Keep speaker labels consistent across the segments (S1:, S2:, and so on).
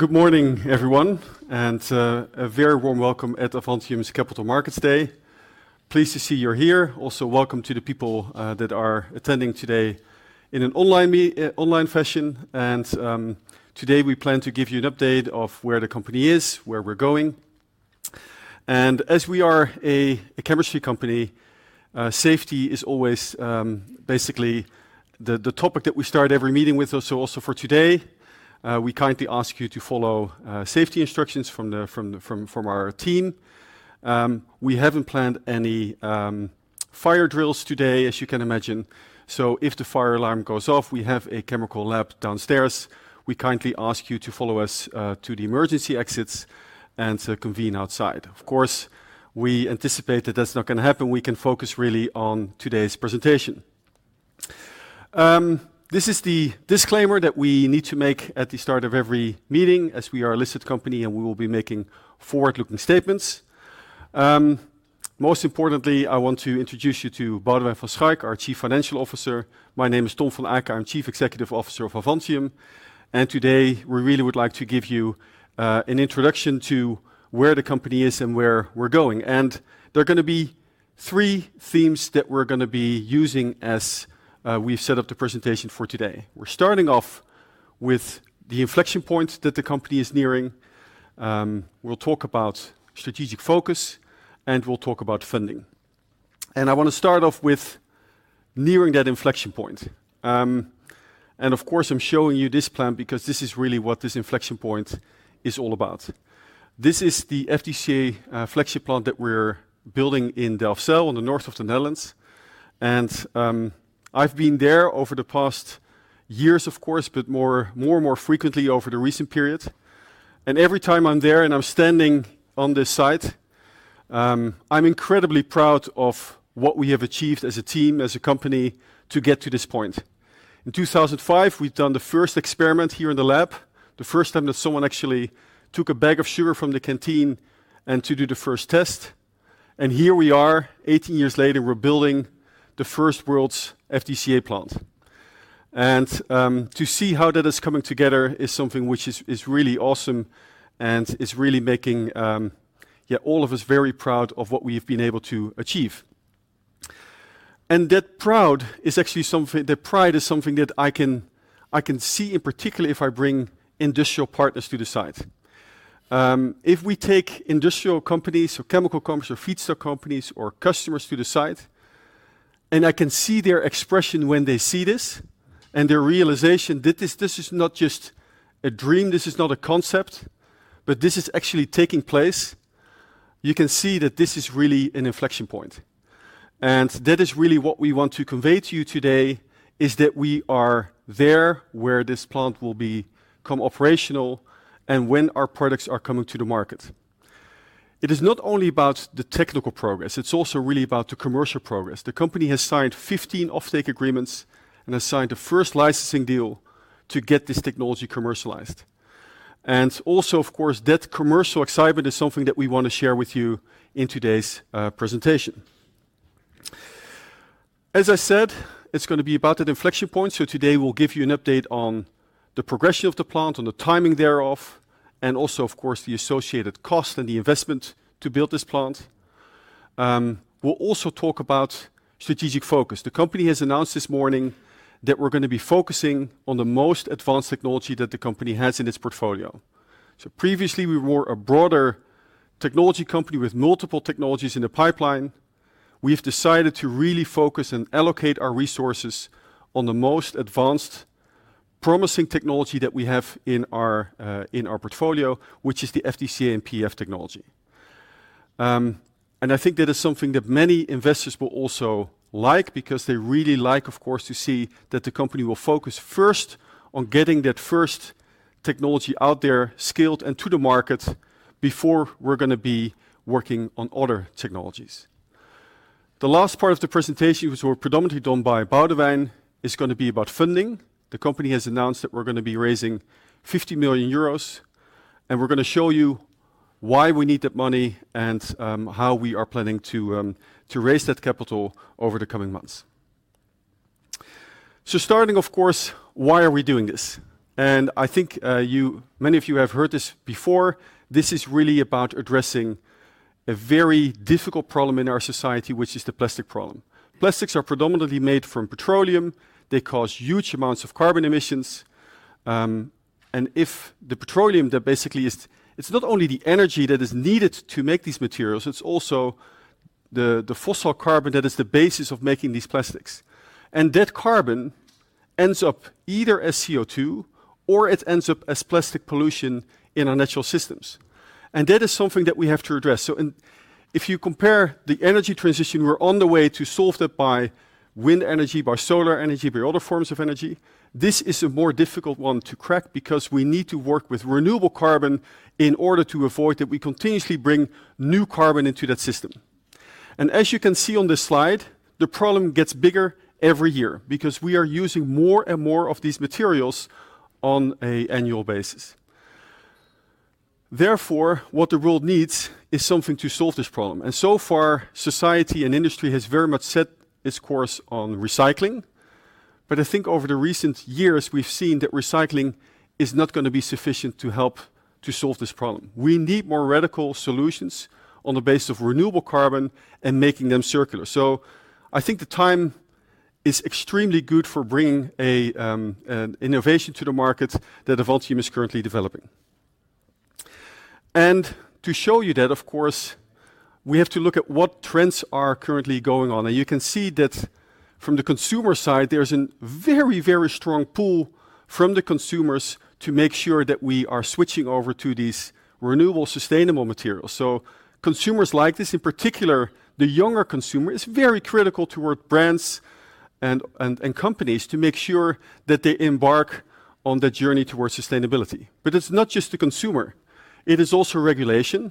S1: Good morning, everyone, and a very warm welcome at Avantium's Capital Markets Day. Pleased to see you're here. Also, welcome to the people that are attending today in an online fashion. Today, we plan to give you an update of where the company is, where we're going. As we are a chemistry company, safety is always basically the topic that we start every meeting with. So also for today, we kindly ask you to follow safety instructions from our team. We haven't planned any fire drills today, as you can imagine, so if the fire alarm goes off, we have a chemical lab downstairs. We kindly ask you to follow us to the emergency exits and to convene outside. Of course, we anticipate that that's not gonna happen. We can focus really on today's presentation. This is the disclaimer that we need to make at the start of every meeting, as we are a listed company, and we will be making forward-looking statements. Most importantly, I want to introduce you to Boudewijn van Schaik, our Chief Financial Officer. My name is Tom van Aken. I'm Chief Executive Officer of Avantium, and today we really would like to give you an introduction to where the company is and where we're going. And there are gonna be three themes that we're gonna be using as we've set up the presentation for today. We're starting off with the inflection points that the company is nearing. We'll talk about strategic focus, and we'll talk about funding. And I wanna start off with nearing that inflection point. And of course, I'm showing you this plant because this is really what this inflection point is all about. This is the FDCA flagship plant that we're building in Delfzijl, in the north of the Netherlands. And I've been there over the past years, of course, but more, more and more frequently over the recent period. And every time I'm there, and I'm standing on this site, I'm incredibly proud of what we have achieved as a team, as a company, to get to this point. In 2005, we've done the first experiment here in the lab, the first time that someone actually took a bag of sugar from the canteen and to do the first test, and here we are, 18 years later, we're building the first world's FDCA plant. And to see how that is coming together is something which is, is really awesome and is really making yeah all of us very proud of what we've been able to achieve. And that proud is actually something... That pride is something that I can, I can see, in particular, if I bring industrial partners to the site. If we take industrial companies or chemical companies or feedstock companies or customers to the site, and I can see their expression when they see this and their realization that this, this is not just a dream, this is not a concept, but this is actually taking place, you can see that this is really an inflection point. That is really what we want to convey to you today, is that we are there, where this plant will become operational and when our products are coming to the market. It is not only about the technical progress, it's also really about the commercial progress. The company has signed 15 offtake agreements and has signed the first licensing deal to get this technology commercialized. And also, of course, that commercial excitement is something that we want to share with you in today's presentation. As I said, it's gonna be about that inflection point, so today we'll give you an update on the progression of the plant and the timing thereof, and also, of course, the associated cost and the investment to build this plant. We'll also talk about strategic focus. The company has announced this morning that we're gonna be focusing on the most advanced technology that the company has in its portfolio. So previously, we were a broader technology company with multiple technologies in the pipeline. We've decided to really focus and allocate our resources on the most advanced, promising technology that we have in our in our portfolio, which is the FDCA and PEF technology. And I think that is something that many investors will also like because they really like, of course, to see that the company will focus first on getting that first technology out there, scaled and to the market, before we're gonna be working on other technologies. The last part of the presentation, which was predominantly done by Boudewijn, is gonna be about funding. The company has announced that we're gonna be raising 50 million euros, and we're gonna show you why we need that money and how we are planning to raise that capital over the coming months. So starting, of course, why are we doing this? I think you, many of you have heard this before. This is really about addressing a very difficult problem in our society, which is the plastic problem. Plastics are predominantly made from petroleum. They cause huge amounts of carbon emissions, and if the petroleum, that basically is, it's not only the energy that is needed to make these materials, it's also the fossil carbon that is the basis of making these plastics. And that carbon ends up either as CO2 or it ends up as plastic pollution in our natural systems. That is something that we have to address. So and if you compare the energy transition, we're on the way to solve that by wind energy, by solar energy, by other forms of energy. This is a more difficult one to crack because we need to work with renewable carbon in order to avoid that we continuously bring new carbon into that system. And as you can see on this slide, the problem gets bigger every year because we are using more and more of these materials on an annual basis. Therefore, what the world needs is something to solve this problem, and so far, society and industry has very much set its course on recycling. But I think over the recent years, we've seen that recycling is not gonna be sufficient to help to solve this problem. We need more radical solutions on the base of renewable carbon and making them circular. So I think the time is extremely good for bringing an innovation to the market that Avantium is currently developing. And to show you that, of course, we have to look at what trends are currently going on. And you can see that from the consumer side, there's a very, very strong pull from the consumers to make sure that we are switching over to these renewable, sustainable materials. So consumers like this, in particular, the younger consumer, is very critical toward brands and companies to make sure that they embark on the journey towards sustainability. But it's not just the consumer, it is also regulation.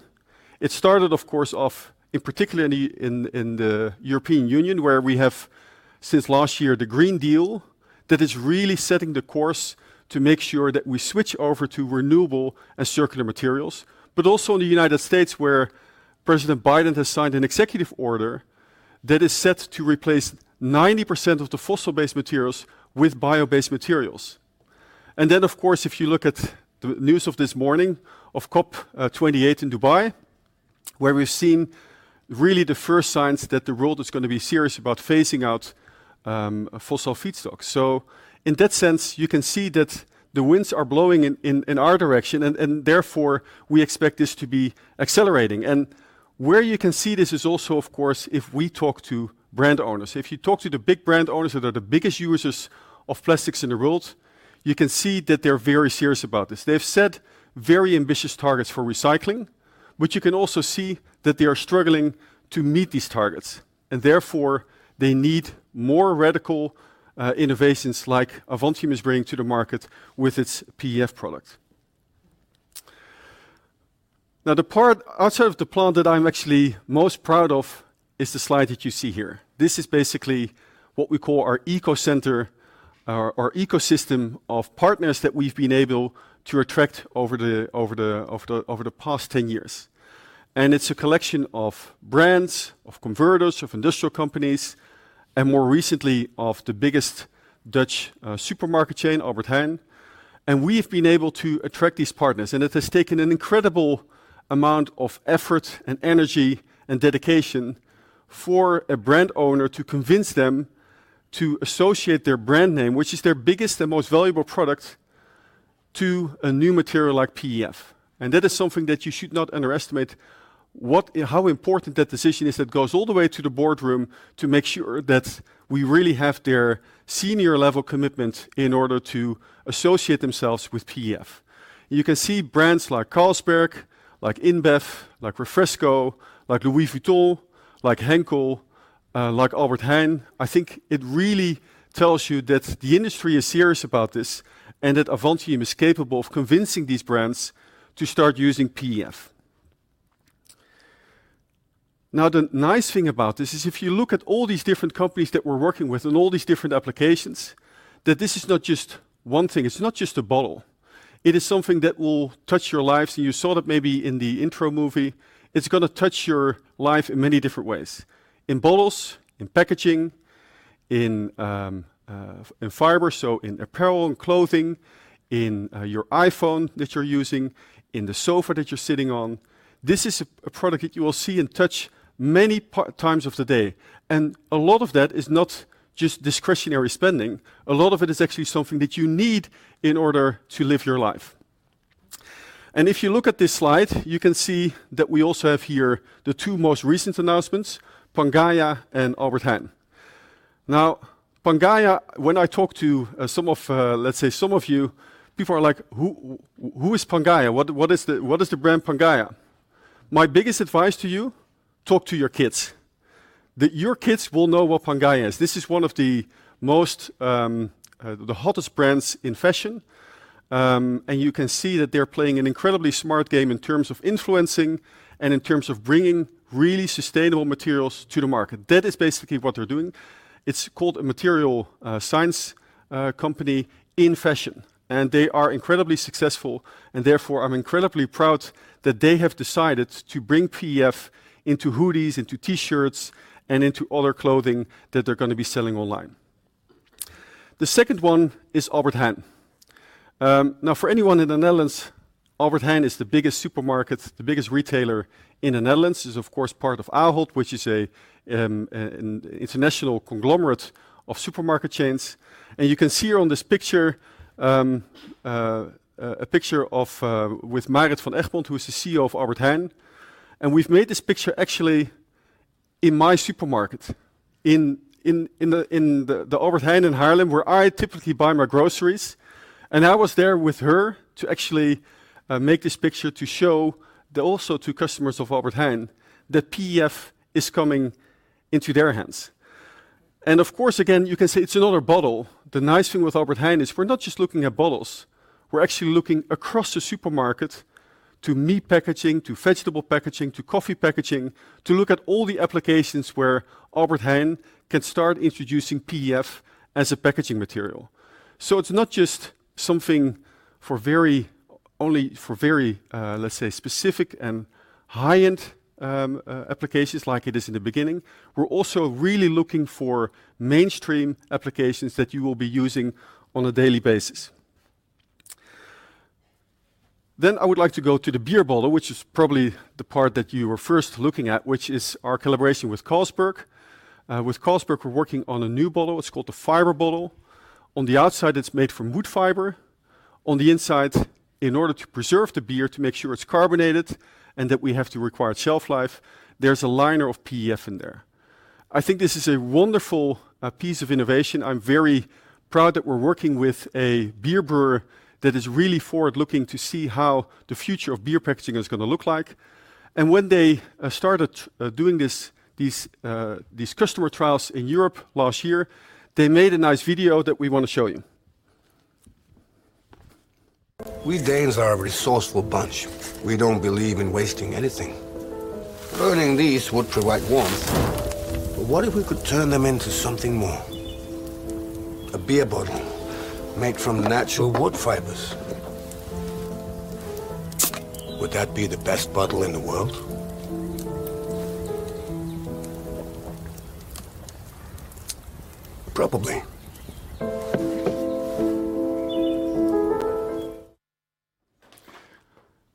S1: It started, of course, off particularly in the European Union, where we have, since last year, the Green Deal, that is really setting the course to make sure that we switch over to renewable and circular materials, but also in the United States, where President Biden has signed an executive order that is set to replace 90% of the fossil-based materials with bio-based materials. And then, of course, if you look at the news of this morning of COP 28 in Dubai, where we've seen really the first signs that the world is gonna be serious about phasing out fossil feedstock. So in that sense, you can see that the winds are blowing in our direction, and therefore, we expect this to be accelerating. And where you can see this is also, of course, if we talk to brand owners. If you talk to the big brand owners that are the biggest users of plastics in the world, you can see that they're very serious about this. They've set very ambitious targets for recycling, but you can also see that they are struggling to meet these targets, and therefore, they need more radical innovations like Avantium is bringing to the market with its PEF product. Now, the part outside of the plant that I'm actually most proud of is the slide that you see here. This is basically what we call our eco center or ecosystem of partners that we've been able to attract over the past 10 years. It's a collection of brands, of converters, of industrial companies, and more recently, of the biggest Dutch supermarket chain, Albert Heijn. We've been able to attract these partners, and it has taken an incredible amount of effort, and energy, and dedication for a brand owner to convince them to associate their brand name, which is their biggest and most valuable product, to a new material like PEF. That is something that you should not underestimate, how important that decision is, that goes all the way to the boardroom to make sure that we really have their senior level commitment in order to associate themselves with PEF. You can see brands like Carlsberg, like InBev, like Refresco, like Louis Vuitton, like Henkel, like Albert Heijn. I think it really tells you that the industry is serious about this and that Avantium is capable of convincing these brands to start using PEF. Now, the nice thing about this is if you look at all these different companies that we're working with and all these different applications, that this is not just one thing, it's not just a bottle. It is something that will touch your lives, and you saw that maybe in the intro movie. It's gonna touch your life in many different ways, in bottles, in packaging, in fiber, so in apparel and clothing, in your iPhone that you're using, in the sofa that you're sitting on. This is a product that you will see and touch many times of the day, and a lot of that is not just discretionary spending, a lot of it is actually something that you need in order to live your life. If you look at this slide, you can see that we also have here the two most recent announcements, PANGAIA and Albert Heijn. Now, PANGAIA, when I talk to some of, let's say, some of you, people are like: "Who, who is PANGAIA? What is the brand PANGAIA?" My biggest advice to you, talk to your kids. That your kids will know what PANGAIA is. This is one of the most, the hottest brands in fashion, and you can see that they're playing an incredibly smart game in terms of influencing and in terms of bringing really sustainable materials to the market. That is basically what they're doing. It's called a material science company in fashion, and they are incredibly successful, and therefore, I'm incredibly proud that they have decided to bring PEF into hoodies, into T-shirts, and into other clothing that they're gonna be selling online. The second one is Albert Heijn. Now, for anyone in the Netherlands, Albert Heijn is the biggest supermarket, the biggest retailer in the Netherlands. It's, of course, part of Ahold, which is an international conglomerate of supermarket chains. And you can see here on this picture, a picture of with Marit van Egmond, who is the CEO of Albert Heijn, and we've made this picture actually in my supermarket, in the Albert Heijn in Haarlem, where I typically buy my groceries. I was there with her to actually make this picture to show also to customers of Albert Heijn that PEF is coming into their hands. Of course, again, you can say it's another bottle. The nice thing with Albert Heijn is we're not just looking at bottles, we're actually looking across the supermarket to meat packaging, to vegetable packaging, to coffee packaging, to look at all the applications where Albert Heijn can start introducing PEF as a packaging material. It's not just something for only very, let's say, specific and high-end applications like it is in the beginning. We're also really looking for mainstream applications that you will be using on a daily basis. Then I would like to go to the beer bottle, which is probably the part that you were first looking at, which is our collaboration with Carlsberg. With Carlsberg, we're working on a new bottle. It's called the Fiber Bottle. On the outside, it's made from wood fiber. On the inside, in order to preserve the beer, to make sure it's carbonated and that we have the required shelf life, there's a liner of PEF in there. I think this is a wonderful piece of innovation. I'm very proud that we're working with a beer brewer that is really forward-looking to see how the future of beer packaging is gonna look like. And when they started doing these customer trials in Europe last year, they made a nice video that we wanna show you.
S2: We Danes are a resourceful bunch. We don't believe in wasting anything. Burning these would provide warmth, but what if we could turn them into something more? A beer bottle made from natural wood fibers. Would that be the best bottle in the world? Probably.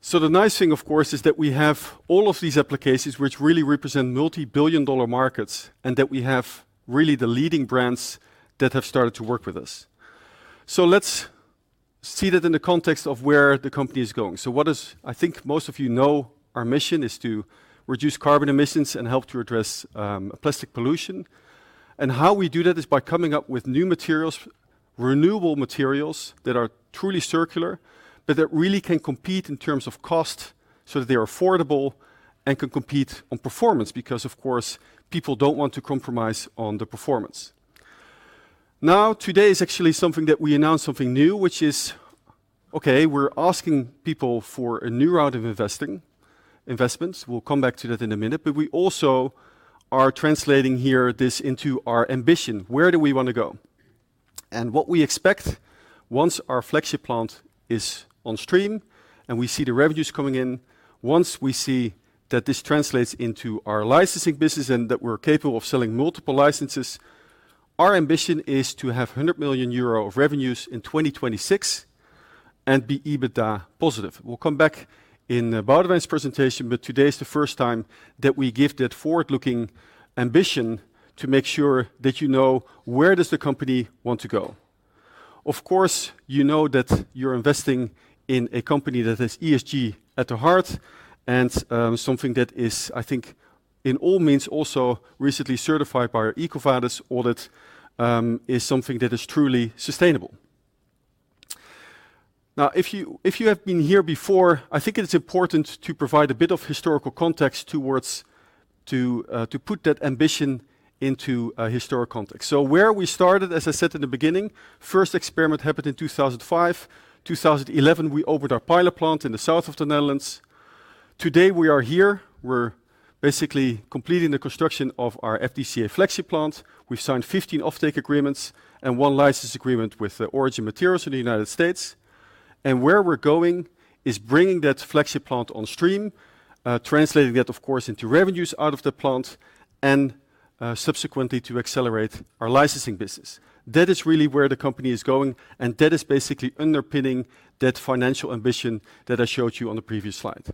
S1: So the nice thing, of course, is that we have all of these applications which really represent multi-billion-dollar markets, and that we have really the leading brands that have started to work with us. So let's see that in the context of where the company is going. So what is, I think most of you know our mission is to reduce carbon emissions and help to address, plastic pollution, and how we do that is by coming up with new materials, renewable materials, that are truly circular, but that really can compete in terms of cost, so that they are affordable and can compete on performance, because of course, people don't want to compromise on the performance. Now, today is actually something that we announce something new, which is, okay, we're asking people for a new round of investing, investments. We'll come back to that in a minute, but we also are translating here this into our ambition. Where do we wanna go? And what we expect once our flagship plant is on stream, and we see the revenues coming in, once we see that this translates into our licensing business and that we're capable of selling multiple licenses, our ambition is to have 100 million euro of revenues in 2026 and be EBITDA positive. We'll come back in Boudewijn's presentation, but today is the first time that we give that forward-looking ambition to make sure that you know, where does the company want to go. Of course, you know that you're investing in a company that has ESG at the heart and, something that is, I think, in all means, also recently certified by our EcoVadis audit, is something that is truly sustainable. Now, if you have been here before, I think it is important to provide a bit of historical context towards to, to put that ambition into a historical context. So where we started, as I said in the beginning, first experiment happened in 2005. 2011, we opened our pilot plant in the south of the Netherlands. Today, we are here. We're basically completing the construction of our FDCA flagship plant. We've signed 15 offtake agreements and one license agreement with Origin Materials in the United States. And where we're going is bringing that flagship plant on stream, translating that, of course, into revenues out of the plant, and, subsequently, to accelerate our licensing business. That is really where the company is going, and that is basically underpinning that financial ambition that I showed you on the previous slide.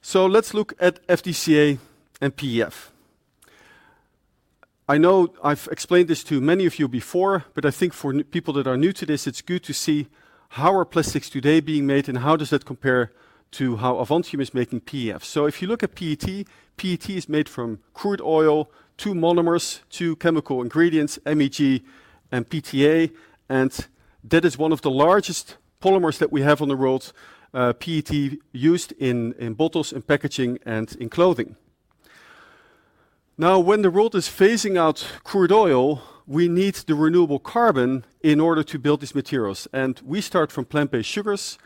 S1: So let's look at FDCA and PEF. I know I've explained this to many of you before, but I think for people that are new to this, it's good to see how are plastics today being made, and how does that compare to how Avantium is making PEF. So if you look at PET, PET is made from crude oil, two monomers, two chemical ingredients, MEG and PTA, and that is one of the largest polymers that we have in the world, PET used in, in bottles, in packaging, and in clothing. Now, when the world is phasing out crude oil, we need the renewable carbon in order to build these materials, and we start from plant-based sugars.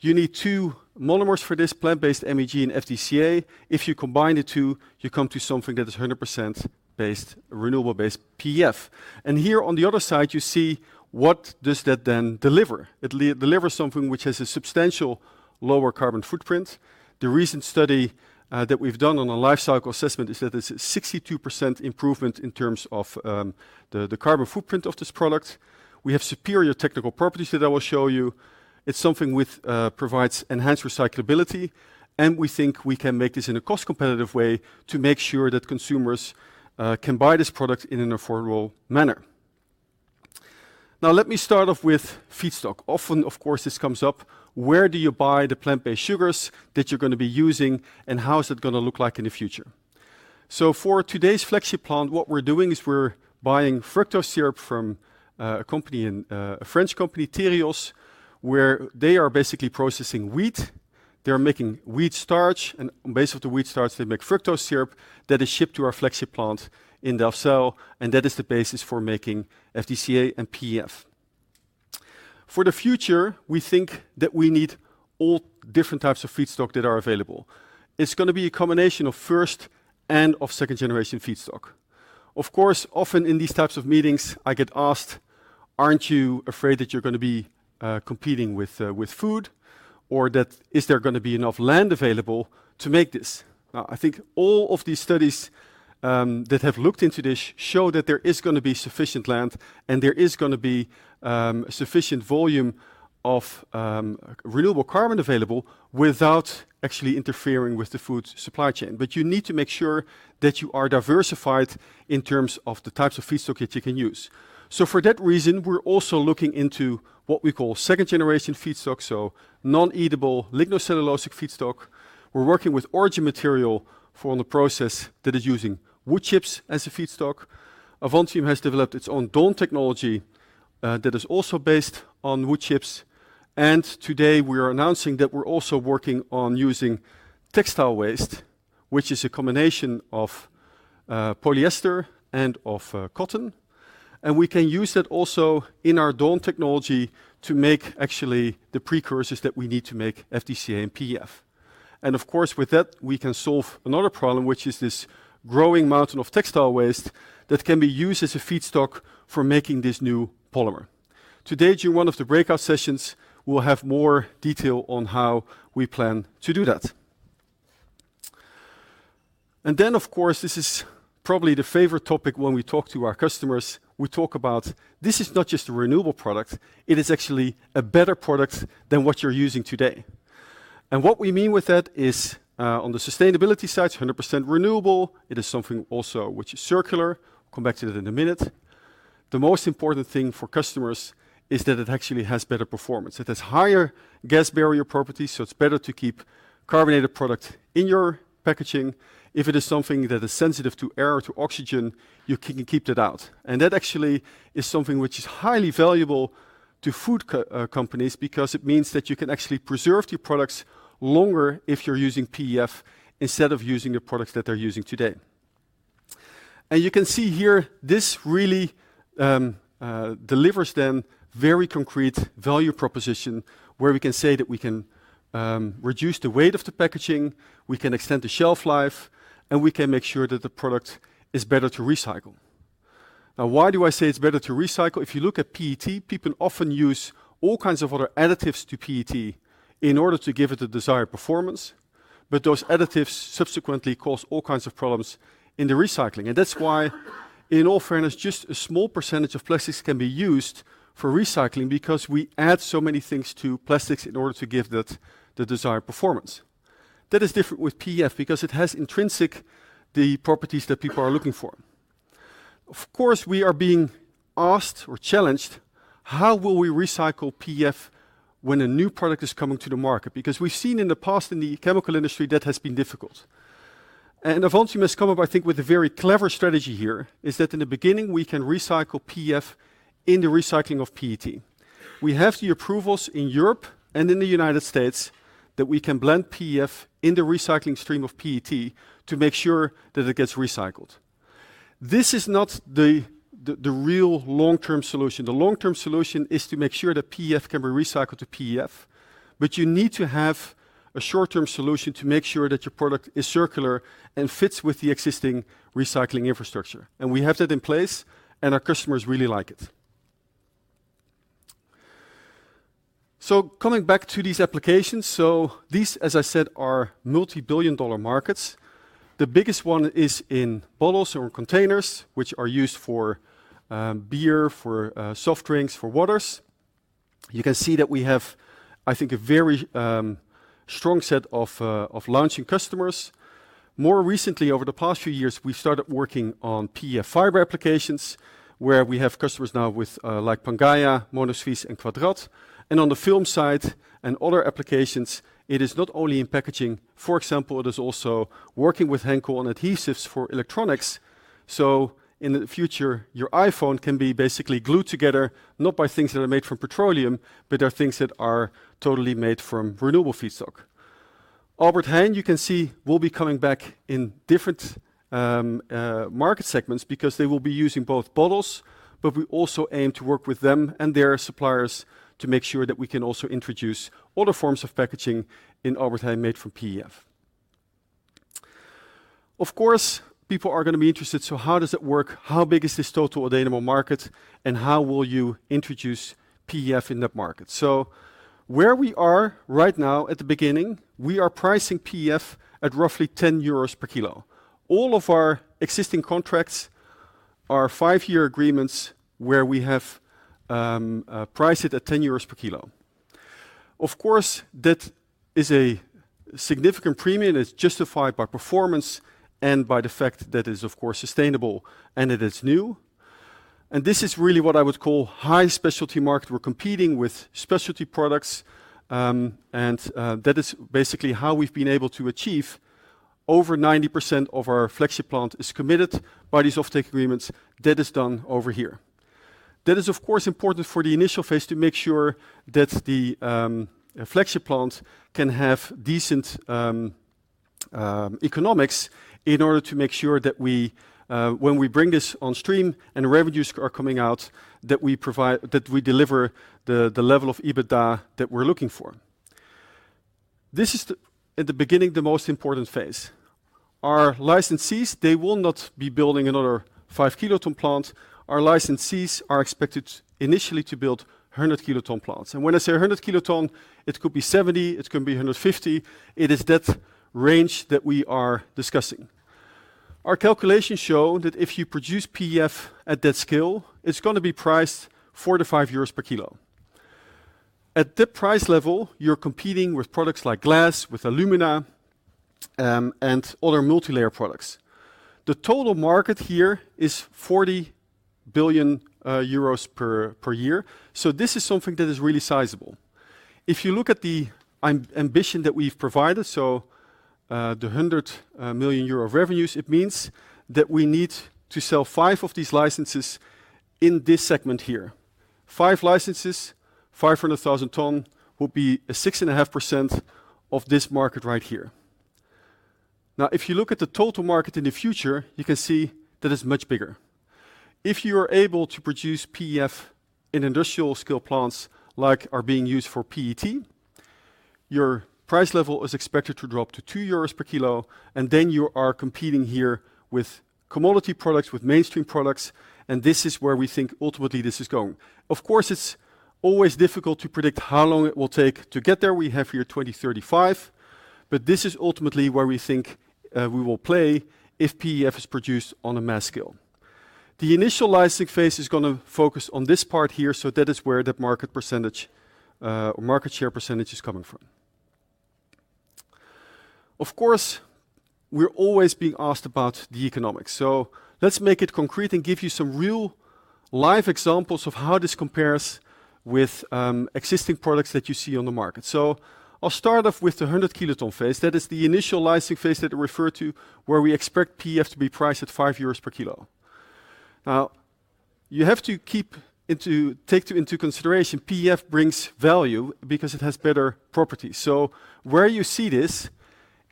S1: You need two monomers for this, plant-based MEG and FDCA. If you combine the two, you come to something that is 100% renewable-based PEF. And here on the other side, you see what does that then deliver. It'll deliver something which has a substantial lower carbon footprint. The recent study that we've done on a Life Cycle Assessment is that it's a 62% improvement in terms of the carbon footprint of this product. We have superior technical properties that I will show you. It's something with provides enhanced recyclability, and we think we can make this in a cost-competitive way to make sure that consumers can buy this product in an affordable manner. Now, let me start off with feedstock. Often, of course, this comes up, where do you buy the plant-based sugars that you're gonna be using, and how is it gonna look like in the future? So for today's flagship plant, what we're doing is we're buying fructose syrup from a company in a French company, Tereos, where they are basically processing wheat. They're making wheat starch, and on base of the wheat starch, they make fructose syrup that is shipped to our flagship plant in Delfzijl, and that is the basis for making FDCA and PEF. For the future, we think that we need all different types of feedstock that are available. It's gonna be a combination of first and second-generation feedstock. Of course, often in these types of meetings, I get asked: "Aren't you afraid that you're gonna be competing with food, or that is there gonna be enough land available to make this?" I think all of these studies that have looked into this show that there is gonna be sufficient land, and there is gonna be sufficient volume of renewable carbon available without actually interfering with the food supply chain. But you need to make sure that you are diversified in terms of the types of feedstock that you can use. So for that reason, we're also looking into what we call second-generation feedstock, so non-edible, lignocellulosic feedstock. We're working with Origin Materials for the process that is using wood chips as a feedstock. Avantium has developed its own Dawn Technology that is also based on wood chips, and today we are announcing that we're also working on using textile waste, which is a combination of polyester and of cotton, and we can use that also in our Dawn Technology to make actually the precursors that we need to make FDCA and PEF. And of course, with that, we can solve another problem, which is this growing mountain of textile waste that can be used as a feedstock for making this new polymer. Today, during one of the breakout sessions, we'll have more detail on how we plan to do that. And then, of course, this is probably the favorite topic when we talk to our customers, we talk about this is not just a renewable product, it is actually a better product than what you're using today. What we mean with that is, on the sustainability side, 100% renewable, it is something also which is circular. I'll come back to that in a minute. The most important thing for customers is that it actually has better performance. It has higher gas barrier properties, so it's better to keep carbonated product in your packaging. If it is something that is sensitive to air or to oxygen, you can keep that out. That actually is something which is highly valuable to food companies, because it means that you can actually preserve the products longer if you're using PEF instead of using the products that they're using today. You can see here, this really delivers them very concrete value proposition, where we can say that we can reduce the weight of the packaging, we can extend the shelf life, and we can make sure that the product is better to recycle. Now, why do I say it's better to recycle? If you look at PET, people often use all kinds of other additives to PET in order to give it the desired performance, but those additives subsequently cause all kinds of problems in the recycling. And that's why, in all fairness, just a small percentage of plastics can be used for recycling because we add so many things to plastics in order to give that the desired performance. That is different with PEF because it has intrinsic the properties that people are looking for. Of course, we are being asked or challenged, how will we recycle PEF when a new product is coming to the market? Because we've seen in the past, in the chemical industry, that has been difficult. And Avantium has come up, I think, with a very clever strategy here, is that in the beginning, we can recycle PEF in the recycling of PET. We have the approvals in Europe and in the United States that we can blend PEF in the recycling stream of PET to make sure that it gets recycled. This is not the real long-term solution. The long-term solution is to make sure that PEF can be recycled to PEF, but you need to have a short-term solution to make sure that your product is circular and fits with the existing recycling infrastructure. And we have that in place, and our customers really like it. So coming back to these applications, so these, as I said, are multibillion-dollar markets. The biggest one is in bottles or containers, which are used for beer, for soft drinks, for waters. You can see that we have, I think, a very strong set of launching customers. More recently, over the past few years, we started working on PEF fiber applications, where we have customers now with like PANGAIA, Monosuisse, and Kvadrat. And on the film side and other applications, it is not only in packaging, for example, it is also working with Henkel on adhesives for electronics. So in the future, your iPhone can be basically glued together, not by things that are made from petroleum, but by things that are totally made from renewable feedstock. Albert Heijn, you can see, will be coming back in different market segments because they will be using both bottles, but we also aim to work with them and their suppliers to make sure that we can also introduce other forms of packaging in Albert Heijn made from PEF. Of course, people are gonna be interested, so how does it work? How big is this total available market, and how will you introduce PEF in that market? So where we are right now, at the beginning, we are pricing PEF at roughly 10 euros per kilo. All of our existing contracts are 5-year agreements where we have priced it at 10 euros per kilo. Of course, that is a significant premium, it's justified by performance and by the fact that it's, of course, sustainable and it is new. This is really what I would call high specialty market. We're competing with specialty products, and that is basically how we've been able to achieve over 90% of our FDCA plant is committed by these offtake agreements that is done over here. That is, of course, important for the initial phase to make sure that the FDCA plant can have decent economics in order to make sure that we, when we bring this on stream and the revenues are coming out, that we provide- that we deliver the, the level of EBITDA that we're looking for. This is the, at the beginning, the most important phase. Our licensees, they will not be building another 5-kiloton plant. Our licensees are expected initially to build 100-kiloton plants. When I say a 100 kiloton, it could be 70, it could be 150. It is that range that we are discussing. Our calculations show that if you produce PEF at that scale, it's gonna be priced 4-5 euros per kilo. At that price level, you're competing with products like glass, with alumina, and other multilayer products. The total market here is 40 billion euros per year, so this is something that is really sizable. If you look at the ambition that we've provided, so, the 100 million euro of revenues, it means that we need to sell 5 of these licenses in this segment here. 5 licenses, 500,000 ton, will be a 6.5% of this market right here. Now, if you look at the total market in the future, you can see that it's much bigger. If you are able to produce PEF in industrial scale plants, like are being used for PET, your price level is expected to drop to 2 euros per kilo, and then you are competing here with commodity products, with mainstream products, and this is where we think ultimately this is going. Of course, it's always difficult to predict how long it will take to get there. We have here 2035, but this is ultimately where we think we will play if PEF is produced on a mass scale. The initial licensing phase is gonna focus on this part here, so that is where the market percentage or market share percentage is coming from. Of course, we're always being asked about the economics, so let's make it concrete and give you some real life examples of how this compares with existing products that you see on the market. I'll start off with the 100-kiloton phase. That is the initial licensing phase that I referred to, where we expect PEF to be priced at 5 euros per kilo. Now, you have to take into consideration, PEF brings value because it has better properties. So where you see this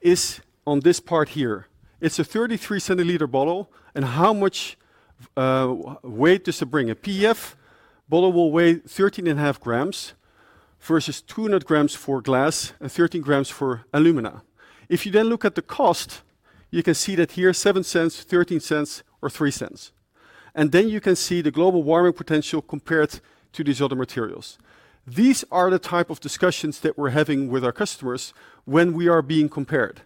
S1: is on this part here. It's a 33-centiliter bottle, and how much weight does it bring? A PEF bottle will weigh 13.5 grams, versus 200 grams for glass and 13 grams for alumina. If you then look at the cost, you can see that here, 0.07, 0.13 or 0.03. And then you can see the global warming potential compared to these other materials. These are the type of discussions that we're having with our customers when we are being compared.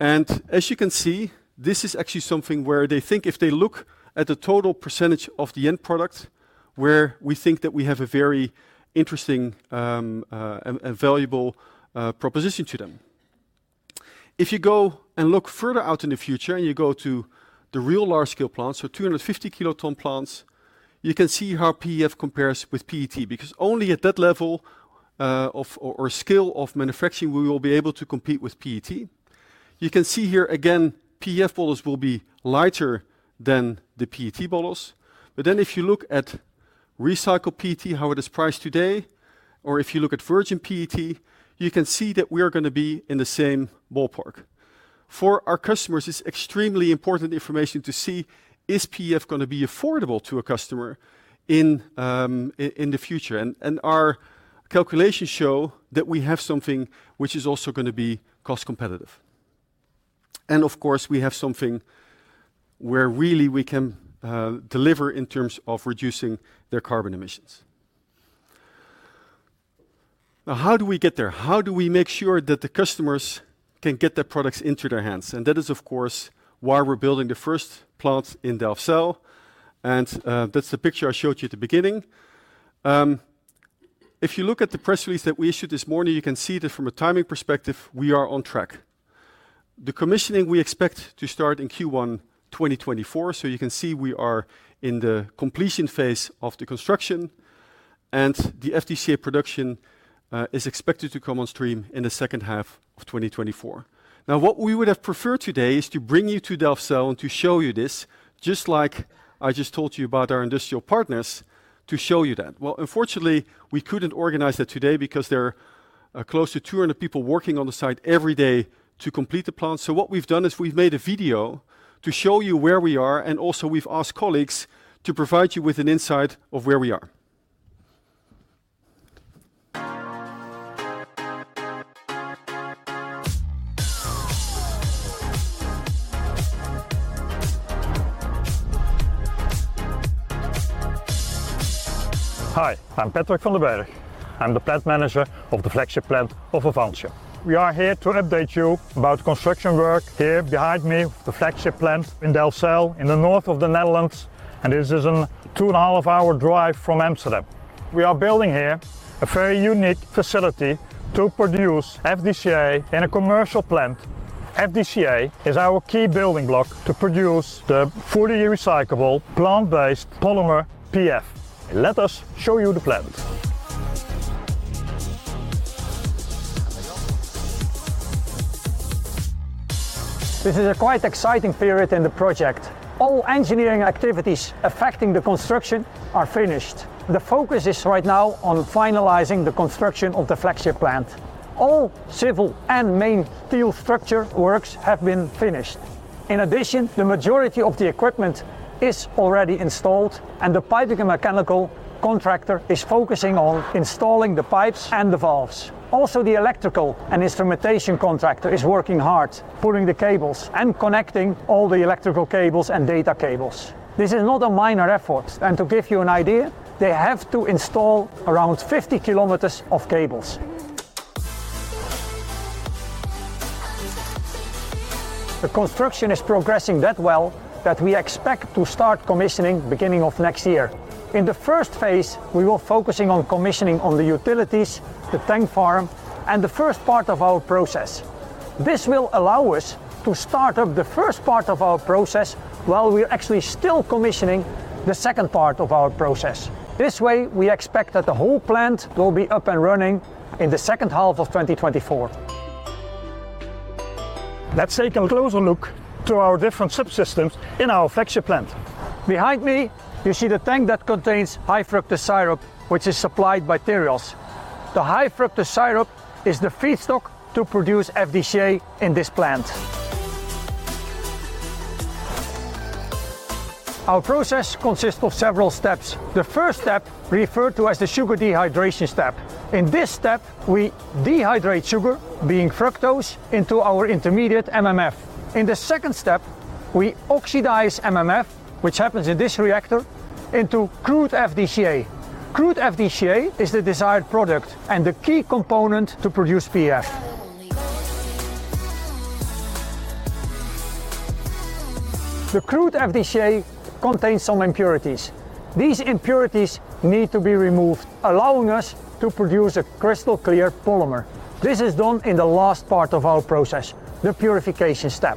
S1: And as you can see, this is actually something where they think if they look at the total percentage of the end product, where we think that we have a very interesting, a valuable, proposition to them. If you go and look further out in the future, and you go to the real large-scale plants, so 250-kiloton plants, you can see how PEF compares with PET, because only at that level, scale of manufacturing, we will be able to compete with PET. You can see here, again, PEF bottles will be lighter than the PET bottles. But then if you look at recycled PET, how it is priced today, or if you look at virgin PET, you can see that we are gonna be in the same ballpark. For our customers, it's extremely important information to see, is PEF gonna be affordable to a customer in the future? And our calculations show that we have something which is also gonna be cost competitive. And of course, we have something where really we can deliver in terms of reducing their carbon emissions. Now, how do we get there? How do we make sure that the customers can get their products into their hands? And that is, of course, why we're building the first plant in Delfzijl, and that's the picture I showed you at the beginning. If you look at the press release that we issued this morning, you can see that from a timing perspective, we are on track. The commissioning, we expect to start in Q1 2024, so you can see we are in the completion phase of the construction, and the FDCA production is expected to come on stream in the second half of 2024. Now, what we would have preferred today is to bring you to Delfzijl and to show you this, just like I just told you about our industrial partners, to show you that. Well, unfortunately, we couldn't organize that today because there are close to 200 people working on the site every day to complete the plant. What we've done is we've made a video to show you where we are, and also we've asked colleagues to provide you with an insight of where we are.
S3: Hi, I'm Patrick van den Berg. I'm the plant manager of the flagship plant of Avantium. We are here to update you about construction work here behind me, the flagship plant in Delfzijl, in the north of the Netherlands, and this is a 2.5-hour drive from Amsterdam. We are building here a very unique facility to produce FDCA in a commercial plant. FDCA is our key building block to produce the fully recyclable, plant-based polymer, PEF. Let us show you the plant.
S4: This is a quite exciting period in the project. All engineering activities affecting the construction are finished. The focus is right now on finalizing the construction of the flagship plant. All civil and main steel structure works have been finished. In addition, the majority of the equipment is already installed, and the piping and mechanical contractor is focusing on installing the pipes and the valves. Also, the electrical and instrumentation contractor is working hard, pulling the cables and connecting all the electrical cables and data cables. This is not a minor effort, and to give you an idea, they have to install around 50 kilometers of cables. The construction is progressing so well that we expect to start commissioning at the beginning of next year. In the first phase, we will be focusing on commissioning of the utilities, the tank farm, and the first part of our process. This will allow us to start up the first part of our process while we're actually still commissioning the second part of our process. This way, we expect that the whole plant will be up and running in the second half of 2024. Let's take a closer look at our different subsystems in our flagship plant. Behind me, you see the tank that contains high-fructose syrup, which is supplied by Tereos. The high-fructose syrup is the feedstock to produce FDCA in this plant. Our process consists of several steps. The first step, referred to as the sugar dehydration step. In this step, we dehydrate sugar, being fructose, into our intermediate MMF. In the second step, we oxidize MMF, which happens in this reactor, into crude FDCA. Crude FDCA is the desired product and the key component to produce PEF. The crude FDCA contains some impurities. These impurities need to be removed, allowing us to produce a crystal-clear polymer. This is done in the last part of our process, the purification step.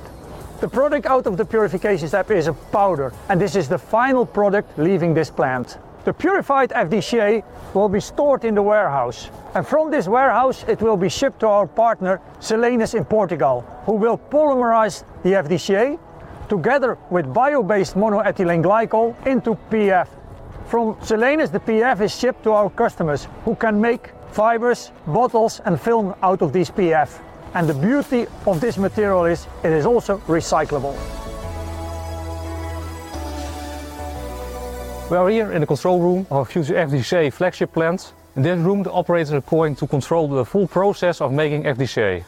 S4: The product out of the purification step is a powder, and this is the final product leaving this plant. The purified FDCA will be stored in the warehouse, and from this warehouse it will be shipped to our partner, Selenis, in Portugal, who will polymerize the FDCA together with bio-based monoethylene glycol into PEF. From Selenis, the PEF is shipped to our customers, who can make fibers, bottles, and film out of this PEF, and the beauty of this material is, it is also recyclable. We are here in the control room of future FDCA flagship plant. In this room, the operators are going to control the full process of making FDCA.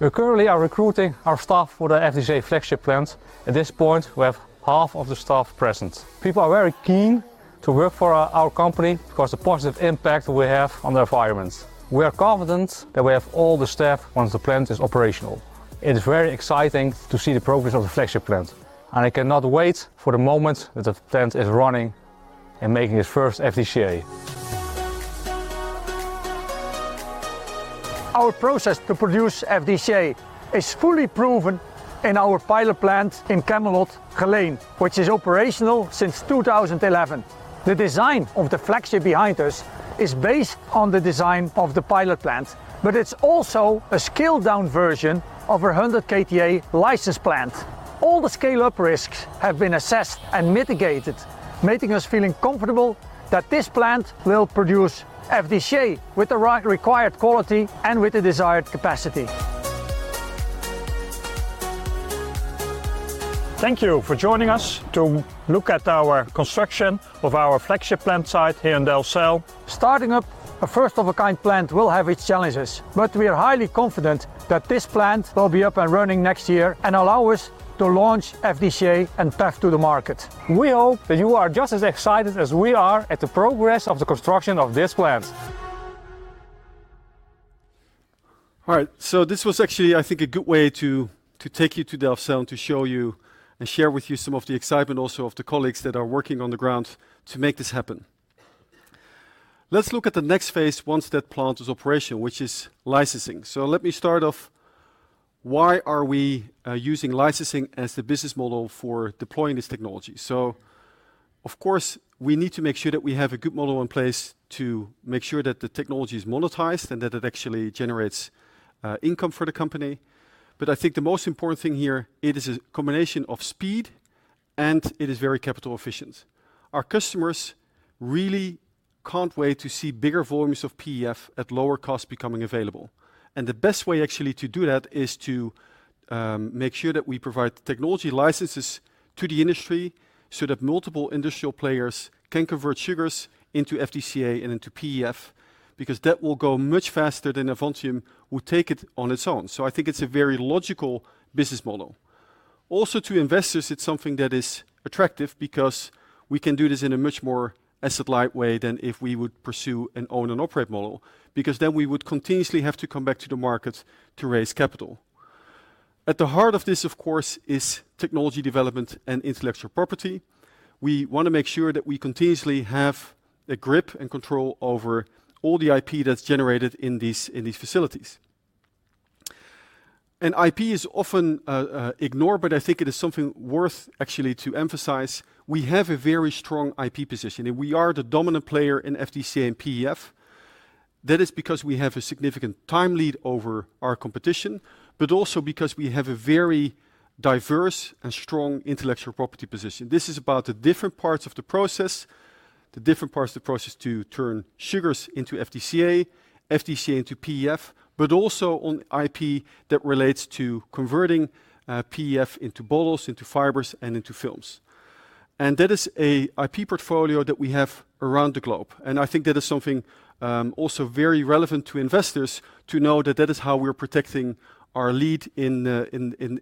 S4: We currently are recruiting our staff for the FDCA flagship plant. At this point, we have half of the staff present. People are very keen to work for our, our company because the positive impact we have on the environment. We are confident that we have all the staff once the plant is operational. It is very exciting to see the progress of the flagship plant, and I cannot wait for the moment that the plant is running and making its first FDCA. Our process to produce FDCA is fully proven in our pilot plant in Chemelot, Geleen, which is operational since 2011. The design of the flagship behind us is based on the design of the pilot plant, but it's also a scaled-down version of our 100 KTA license plant. All the scale-up risks have been assessed and mitigated, making us feeling comfortable that this plant will produce FDCA with the right required quality and with the desired capacity. Thank you for joining us to look at our construction of our flagship plant site here in Delfzijl. Starting up a first-of-its-kind plant will have its challenges, but we are highly confident that this plant will be up and running next year and allow us to launch FDCA and PEF to the market. We hope that you are just as excited as we are at the progress of the construction of this plant.
S1: All right, so this was actually, I think, a good way to take you to Delfzijl, to show you and share with you some of the excitement also of the colleagues that are working on the ground to make this happen. Let's look at the next phase once that plant is operational, which is licensing. So let me start off, why are we using licensing as the business model for deploying this technology? So, of course, we need to make sure that we have a good model in place to make sure that the technology is monetized and that it actually generates income for the company. But I think the most important thing here, it is a combination of speed, and it is very capital efficient. Our customers really can't wait to see bigger volumes of PEF at lower cost becoming available. The best way, actually, to do that is to make sure that we provide technology licenses to the industry, so that multiple industrial players can convert sugars into FDCA and into PEF, because that will go much faster than Avantium would take it on its own. So I think it's a very logical business model. Also, to investors, it's something that is attractive because we can do this in a much more asset-light way than if we would pursue an own and operate model, because then we would continuously have to come back to the market to raise capital. At the heart of this, of course, is technology development and intellectual property. We wanna make sure that we continuously have a grip and control over all the IP that's generated in these facilities. IP is often ignored, but I think it is something worth actually to emphasize. We have a very strong IP position, and we are the dominant player in FDCA and PEF. That is because we have a significant time lead over our competition, but also because we have a very diverse and strong intellectual property position. This is about the different parts of the process, the different parts of the process to turn sugars into FDCA, FDCA into PEF, but also on IP that relates to converting PEF into bottles, into fibers, and into films. And that is a IP portfolio that we have around the globe, and I think that is something also very relevant to investors to know that that is how we're protecting our lead in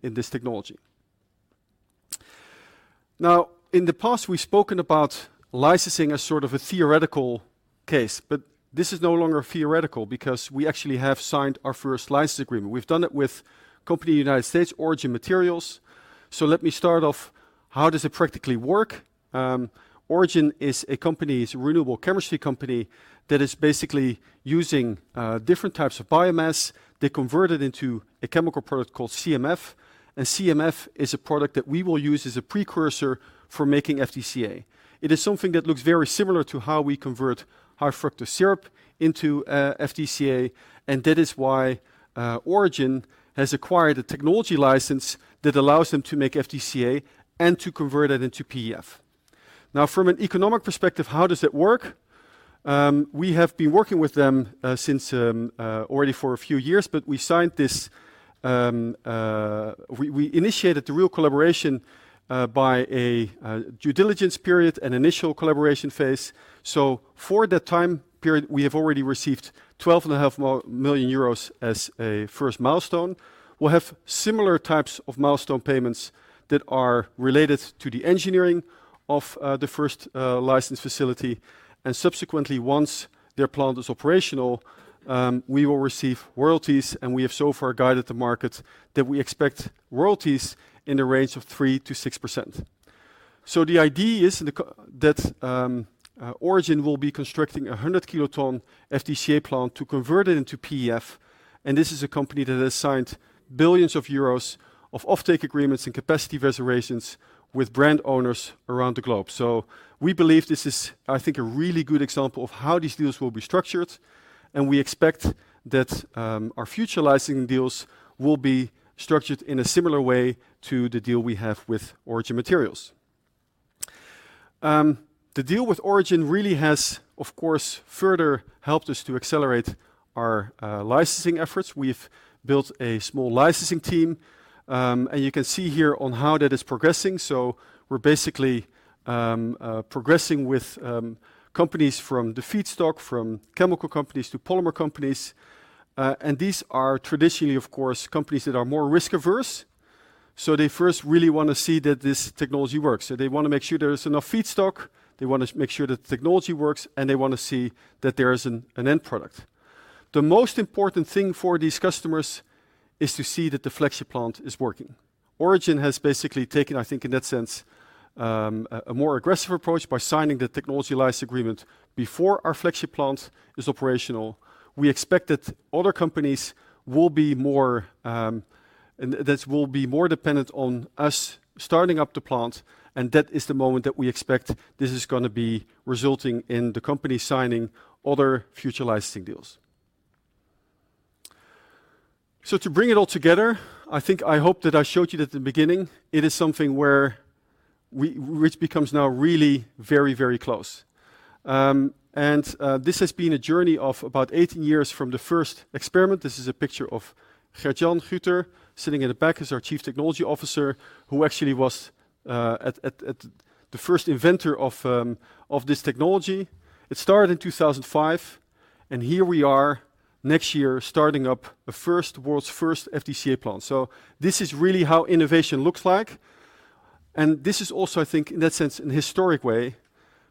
S1: this technology. Now, in the past, we've spoken about licensing as sort of a theoretical case, but this is no longer theoretical because we actually have signed our first license agreement. We've done it with a company in the United States, Origin Materials. So let me start off, how does it practically work? Origin is a company, it's a renewable chemistry company, that is basically using different types of biomass. They convert it into a chemical product called CMF, and CMF is a product that we will use as a precursor for making FDCA. It is something that looks very similar to how we convert high fructose syrup into FDCA, and that is why Origin has acquired a technology license that allows them to make FDCA and to convert it into PEF. Now, from an economic perspective, how does it work? We have been working with them since already for a few years, but we signed this. We initiated the real collaboration by a due diligence period and initial collaboration phase. So for that time period, we have already received 12.5 million euros as a first milestone. We'll have similar types of milestone payments that are related to the engineering of the first license facility, and subsequently, once their plant is operational, we will receive royalties, and we have so far guided the market that we expect royalties in the range of 3%-6%. So the idea is that Origin Materials will be constructing a 100-kiloton FDCA plant to convert it into PEF, and this is a company that has signed billions of EUR of offtake agreements and capacity reservations with brand owners around the globe. So we believe this is, I think, a really good example of how these deals will be structured, and we expect that our future licensing deals will be structured in a similar way to the deal we have with Origin Materials. The deal with Origin really has, of course, further helped us to accelerate our licensing efforts. We've built a small licensing team, and you can see here on how that is progressing. So we're basically progressing with companies from the feedstock, from chemical companies to polymer companies, and these are traditionally, of course, companies that are more risk-averse, so they first really want to see that this technology works. So they want to make sure there is enough feedstock, they want to make sure the technology works, and they want to see that there is an end product. The most important thing for these customers is to see that the flagship plant is working. Origin has basically taken, I think, in that sense, a more aggressive approach by signing the technology license agreement before our flagship plant is operational. We expect that other companies will be more, and that will be more dependent on us starting up the plant, and that is the moment that we expect this is going to be resulting in the company signing other future licensing deals. So to bring it all together, I think I hope that I showed you that at the beginning, it is something where we—which becomes now really very, very close. And this has been a journey of about 18 years from the first experiment. This is a picture of Gert-Jan Gruter, sitting in the back, he's our Chief Technology Officer, who actually was the first inventor of this technology. It started in 2005, and here we are, next year, starting up the first, world's first FDCA plant. So this is really how innovation looks like, and this is also, I think, in that sense, an historic way,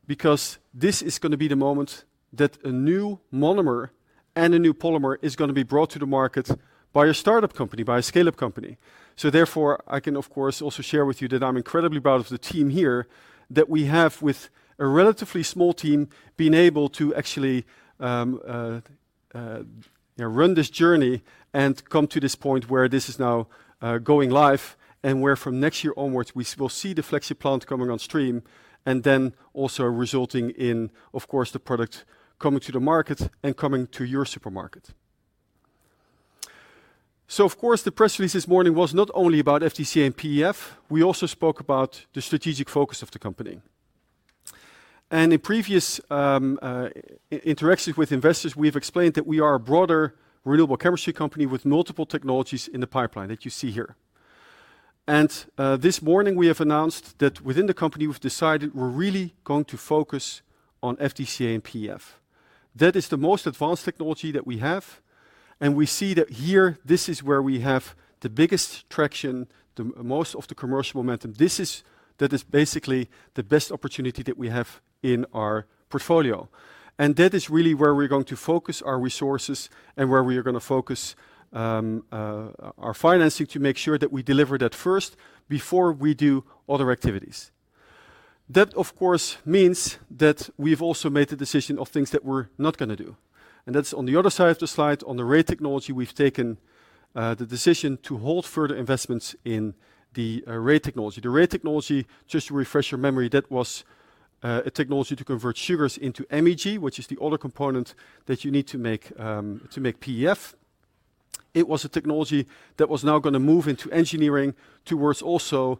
S1: because this is going to be the moment that a new monomer and a new polymer is going to be brought to the market by a startup company, by a scale-up company. So therefore, I can, of course, also share with you that I'm incredibly proud of the team here, that we have, with a relatively small team, been able to actually run this journey and come to this point where this is now going live and where from next year onwards, we will see the flagship plant coming on stream, and then also resulting in, of course, the product coming to the market and coming to your supermarket. So of course, the press release this morning was not only about FDCA and PEF. We also spoke about the strategic focus of the company. And in previous interactions with investors, we've explained that we are a broader renewable chemistry company with multiple technologies in the pipeline that you see here. And this morning, we have announced that within the company, we've decided we're really going to focus on FDCA and PEF. That is the most advanced technology that we have, and we see that here, this is where we have the biggest traction, the most of the commercial momentum. This is... That is basically the best opportunity that we have in our portfolio. That is really where we're going to focus our resources and where we are going to focus our financing, to make sure that we deliver that first before we do other activities. That, of course, means that we've also made the decision of things that we're not going to do, and that's on the other side of the slide, on the Ray Technology, we've taken the decision to halt further investments in the Ray Technology. The Ray Technology, just to refresh your memory, that was a technology to convert sugars into MEG, which is the other component that you need to make to make PEF. It was a technology that was now going to move into engineering towards also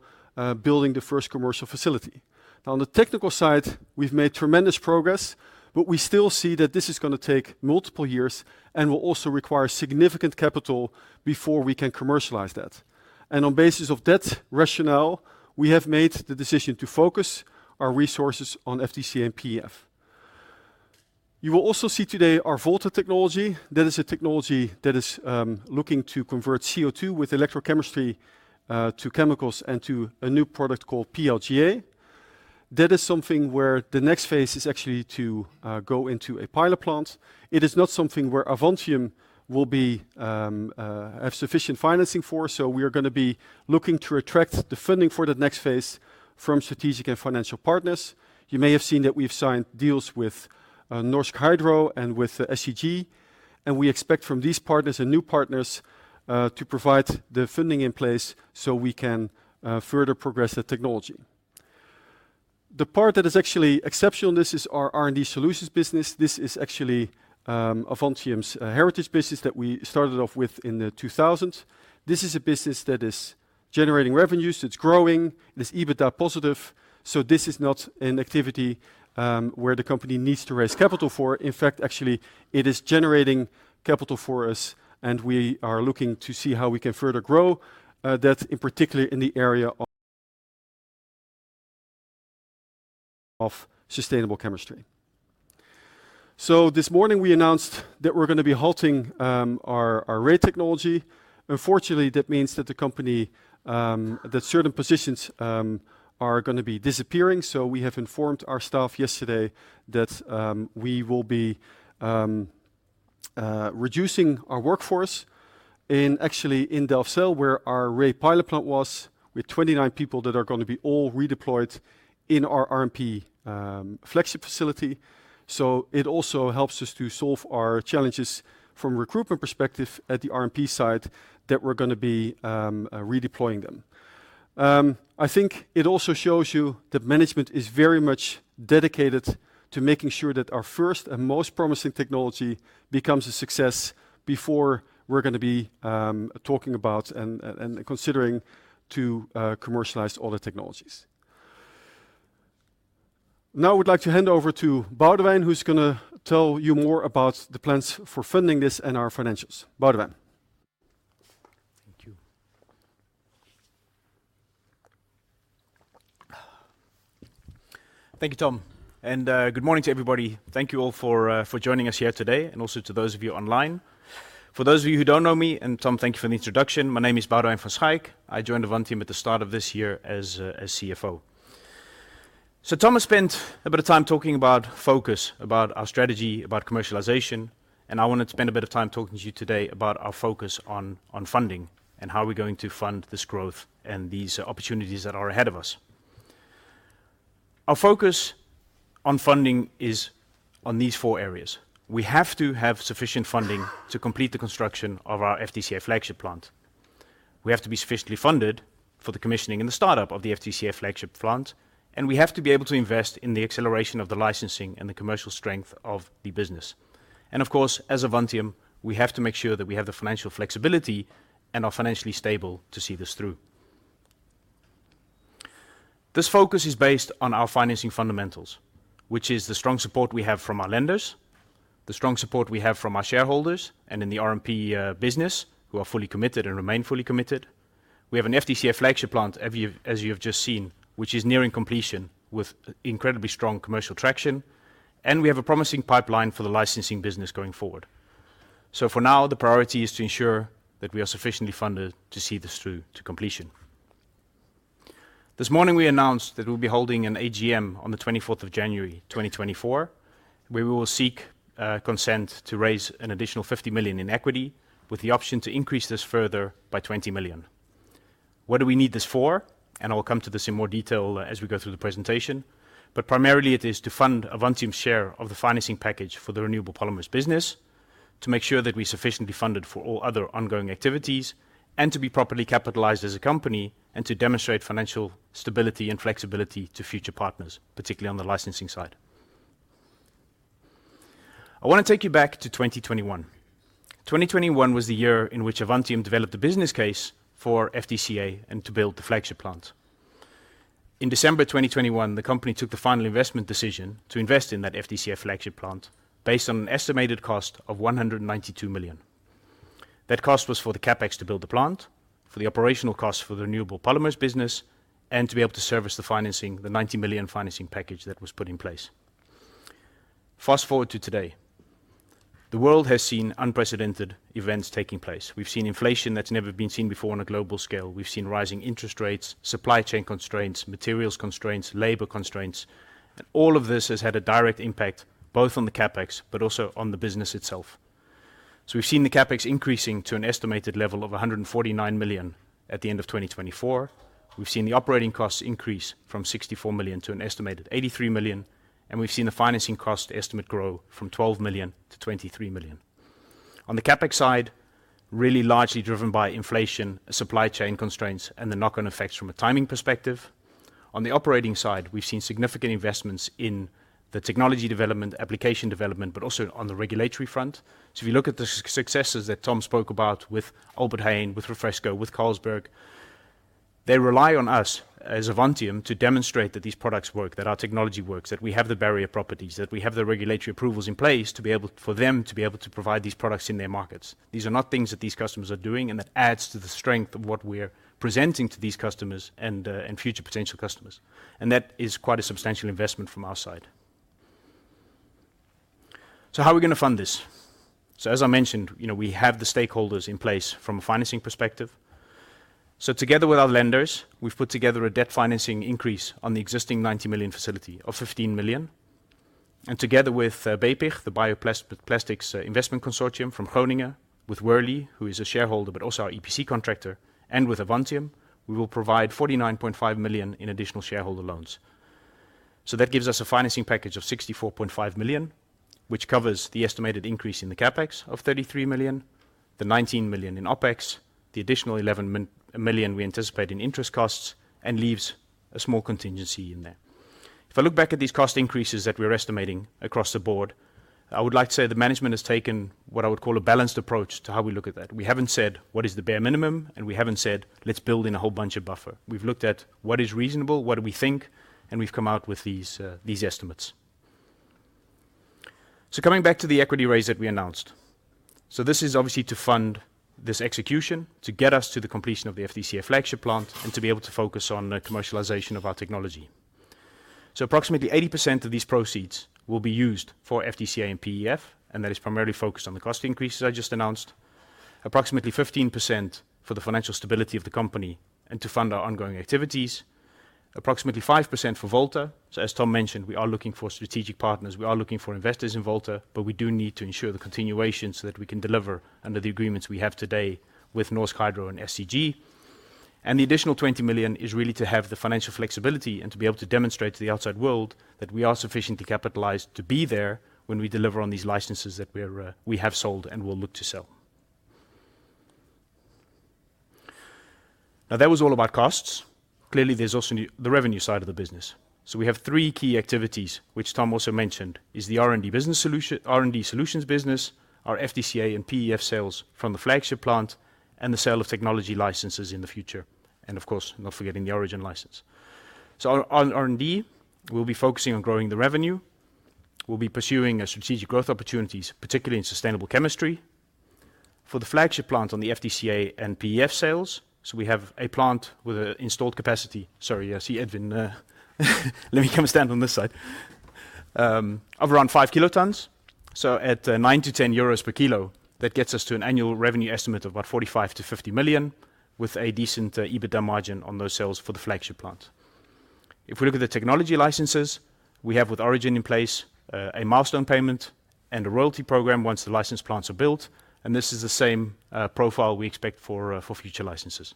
S1: building the first commercial facility. Now, on the technical side, we've made tremendous progress, but we still see that this is going to take multiple years and will also require significant capital before we can commercialize that. And on basis of that rationale, we have made the decision to focus our resources on FDCA and PEF. You will also see today our Volta Technology. That is a technology that is looking to convert CO2 with electrochemistry to chemicals and to a new product called PLGA. That is something where the next phase is actually to go into a pilot plant. It is not something where Avantium will be have sufficient financing for, so we are gonna be looking to attract the funding for that next phase from strategic and financial partners. You may have seen that we've signed deals with Norsk Hydro and with SCG, and we expect from these partners and new partners to provide the funding in place so we can further progress the technology. The part that is actually exceptional, this is our R&D Solutions business. This is actually Avantium's heritage business that we started off with in the 2000s. This is a business that is generating revenues, it's growing, it is EBITDA positive, so this is not an activity where the company needs to raise capital for. In fact, actually, it is generating capital for us, and we are looking to see how we can further grow that in particular in the area of sustainable chemistry. So this morning, we announced that we're gonna be halting our Ray Technology. Unfortunately, that means that the company that certain positions are gonna be disappearing. So we have informed our staff yesterday that we will be reducing our workforce in, actually, in Delfzijl, where our Ray pilot plant was, with 29 people that are gonna be all redeployed in our RVP flagship facility. So it also helps us to solve our challenges from a recruitment perspective at the RVP site, that we're gonna be redeploying them. I think it also shows you that management is very much dedicated to making sure that our first and most promising technology becomes a success before we're gonna be talking about and considering to commercialize other technologies. Now, I would like to hand over to Boudewijn, who's gonna tell you more about the plans for funding this and our financials. Boudewijn.
S5: Thank you. Thank you, Tom, and good morning to everybody. Thank you all for joining us here today, and also to those of you online. For those of you who don't know me, and Tom, thank you for the introduction, my name is Boudewijn van Schaik. I joined Avantium at the start of this year as CFO. So Tom has spent a bit of time talking about focus, about our strategy, about commercialization, and I want to spend a bit of time talking to you today about our focus on funding and how we're going to fund this growth and these opportunities that are ahead of us. Our focus on funding is on these four areas. We have to have sufficient funding to complete the construction of our FDCA flagship plant. We have to be sufficiently funded for the commissioning and the startup of the FDCA flagship plant, and we have to be able to invest in the acceleration of the licensing and the commercial strength of the business. Of course, as Avantium, we have to make sure that we have the financial flexibility and are financially stable to see this through. This focus is based on our financing fundamentals, which is the strong support we have from our lenders, the strong support we have from our shareholders and in the RVP business, who are fully committed and remain fully committed. We have an FDCA flagship plant, as you've, as you have just seen, which is nearing completion, with incredibly strong commercial traction, and we have a promising pipeline for the licensing business going forward. So for now, the priority is to ensure that we are sufficiently funded to see this through to completion. This morning, we announced that we'll be holding an AGM on the 24th of January, 2024, where we will seek consent to raise an additional 50 million in equity, with the option to increase this further by 20 million. What do we need this for? And I will come to this in more detail as we go through the presentation. But primarily, it is to fund Avantium's share of the financing package for the Renewable Polymers business, to make sure that we're sufficiently funded for all other ongoing activities, and to be properly capitalized as a company, and to demonstrate financial stability and flexibility to future partners, particularly on the licensing side. I wanna take you back to 2021. 2021 was the year in which Avantium developed a business case for FDCA and to build the flagship plant. In December 2021, the company took the final investment decision to invest in that FDCA flagship plant based on an estimated cost of 192 million. That cost was for the CapEx to build the plant, for the operational costs for the Renewable Polymers business, and to be able to service the financing, the 90 million financing package that was put in place. Fast-forward to today. The world has seen unprecedented events taking place. We've seen inflation that's never been seen before on a global scale. We've seen rising interest rates, supply chain constraints, materials constraints, labor constraints, and all of this has had a direct impact both on the CapEx but also on the business itself. We've seen the CapEx increasing to an estimated level of 149 million at the end of 2024. We've seen the operating costs increase from 64 million to an estimated 83 million, and we've seen the financing cost estimate grow from 12 million to 23 million. On the CapEx side, really largely driven by inflation, supply chain constraints, and the knock-on effects from a timing perspective. On the operating side, we've seen significant investments in the technology development, application development, but also on the regulatory front. So if you look at the successes that Tom spoke about with Albert Heijn, with Refresco, with Carlsberg, they rely on us, as Avantium, to demonstrate that these products work, that our technology works, that we have the barrier properties, that we have the regulatory approvals in place to be able—for them to be able to provide these products in their markets. These are not things that these customers are doing, and that adds to the strength of what we're presenting to these customers and, and future potential customers, and that is quite a substantial investment from our side.... So how are we going to fund this? So as I mentioned, you know, we have the stakeholders in place from a financing perspective. So together with our lenders, we've put together a debt financing increase on the existing 90 million facility of 15 million. Together with BPIG, the Bioplastics Investment Consortium from Groningen, with Worley, who is a shareholder but also our EPC contractor, and with Avantium, we will provide 49.5 million in additional shareholder loans. So that gives us a financing package of 64.5 million, which covers the estimated increase in the CapEx of 33 million, the 19 million in OpEx, the additional 11 million we anticipate in interest costs, and leaves a small contingency in there. If I look back at these cost increases that we're estimating across the board, I would like to say the management has taken what I would call a balanced approach to how we look at that. We haven't said, "What is the bare minimum?" And we haven't said, "Let's build in a whole bunch of buffer." We've looked at what is reasonable, what do we think, and we've come out with these, these estimates. So coming back to the equity raise that we announced. So this is obviously to fund this execution, to get us to the completion of the FDCA flagship plant, and to be able to focus on the commercialization of our technology. So approximately 80% of these proceeds will be used for FDCA and PEF, and that is primarily focused on the cost increases I just announced. Approximately 15% for the financial stability of the company and to fund our ongoing activities. Approximately 5% for Volta. So as Tom mentioned, we are looking for strategic partners, we are looking for investors in Volta, but we do need to ensure the continuation so that we can deliver under the agreements we have today with Norsk Hydro and SCG. And the additional 20 million is really to have the financial flexibility and to be able to demonstrate to the outside world that we are sufficiently capitalized to be there when we deliver on these licenses that we're, we have sold and will look to sell. Now, that was all about costs. Clearly, there's also the revenue side of the business. So we have three key activities, which Tom also mentioned, is the R&D Solutions business, our FDCA and PEF sales from the flagship plant, and the sale of technology licenses in the future, and of course, not forgetting the Origin license. So on, on R&D, we'll be focusing on growing the revenue. We'll be pursuing strategic growth opportunities, particularly in sustainable chemistry. For the flagship plant on the FDCA and PEF sales, so we have a plant with an installed capacity... Sorry, I see Edwin let me come and stand on this side. Of around 5 kilotons. So at 9-10 euros per kilo, that gets us to an annual revenue estimate of about 45-50 million, with a decent EBITDA margin on those sales for the flagship plant. If we look at the technology licenses we have with Origin in place, a milestone payment and a royalty program once the license plants are built, and this is the same profile we expect for future licenses.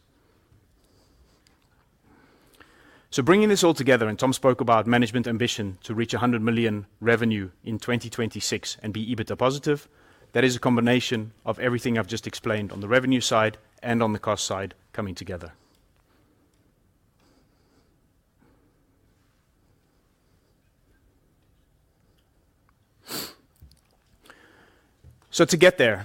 S5: So bringing this all together, and Tom spoke about management ambition to reach 100 million revenue in 2026 and be EBITDA positive. That is a combination of everything I've just explained on the revenue side and on the cost side coming together. So to get there,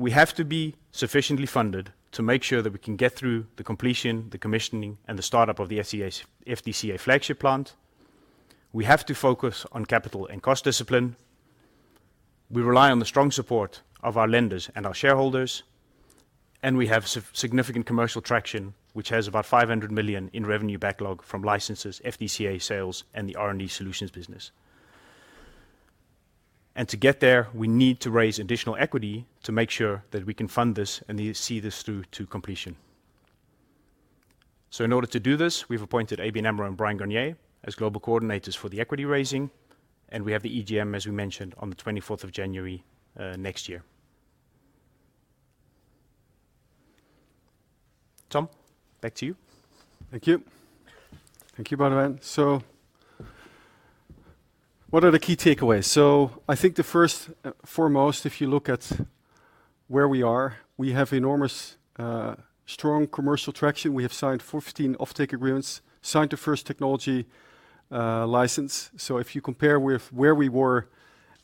S5: we have to be sufficiently funded to make sure that we can get through the completion, the commissioning, and the startup of the FDCA flagship plant. We have to focus on capital and cost discipline. We rely on the strong support of our lenders and our shareholders, and we have significant commercial traction, which has about 500 million in revenue backlog from licenses, FDCA sales, and the R&D Solutions business. To get there, we need to raise additional equity to make sure that we can fund this and see this through to completion. So in order to do this, we've appointed ABN AMRO and Bryan, Garnier as global coordinators for the equity raising, and we have the EGM, as we mentioned, on the twenty-fourth of January next year. Tom, back to you.
S1: Thank you. Thank you, Boudewijn. So what are the key takeaways? So I think the first and foremost, if you look at where we are, we have enormous, strong commercial traction. We have signed 14 offtake agreements, signed the first technology, license. So if you compare with where we were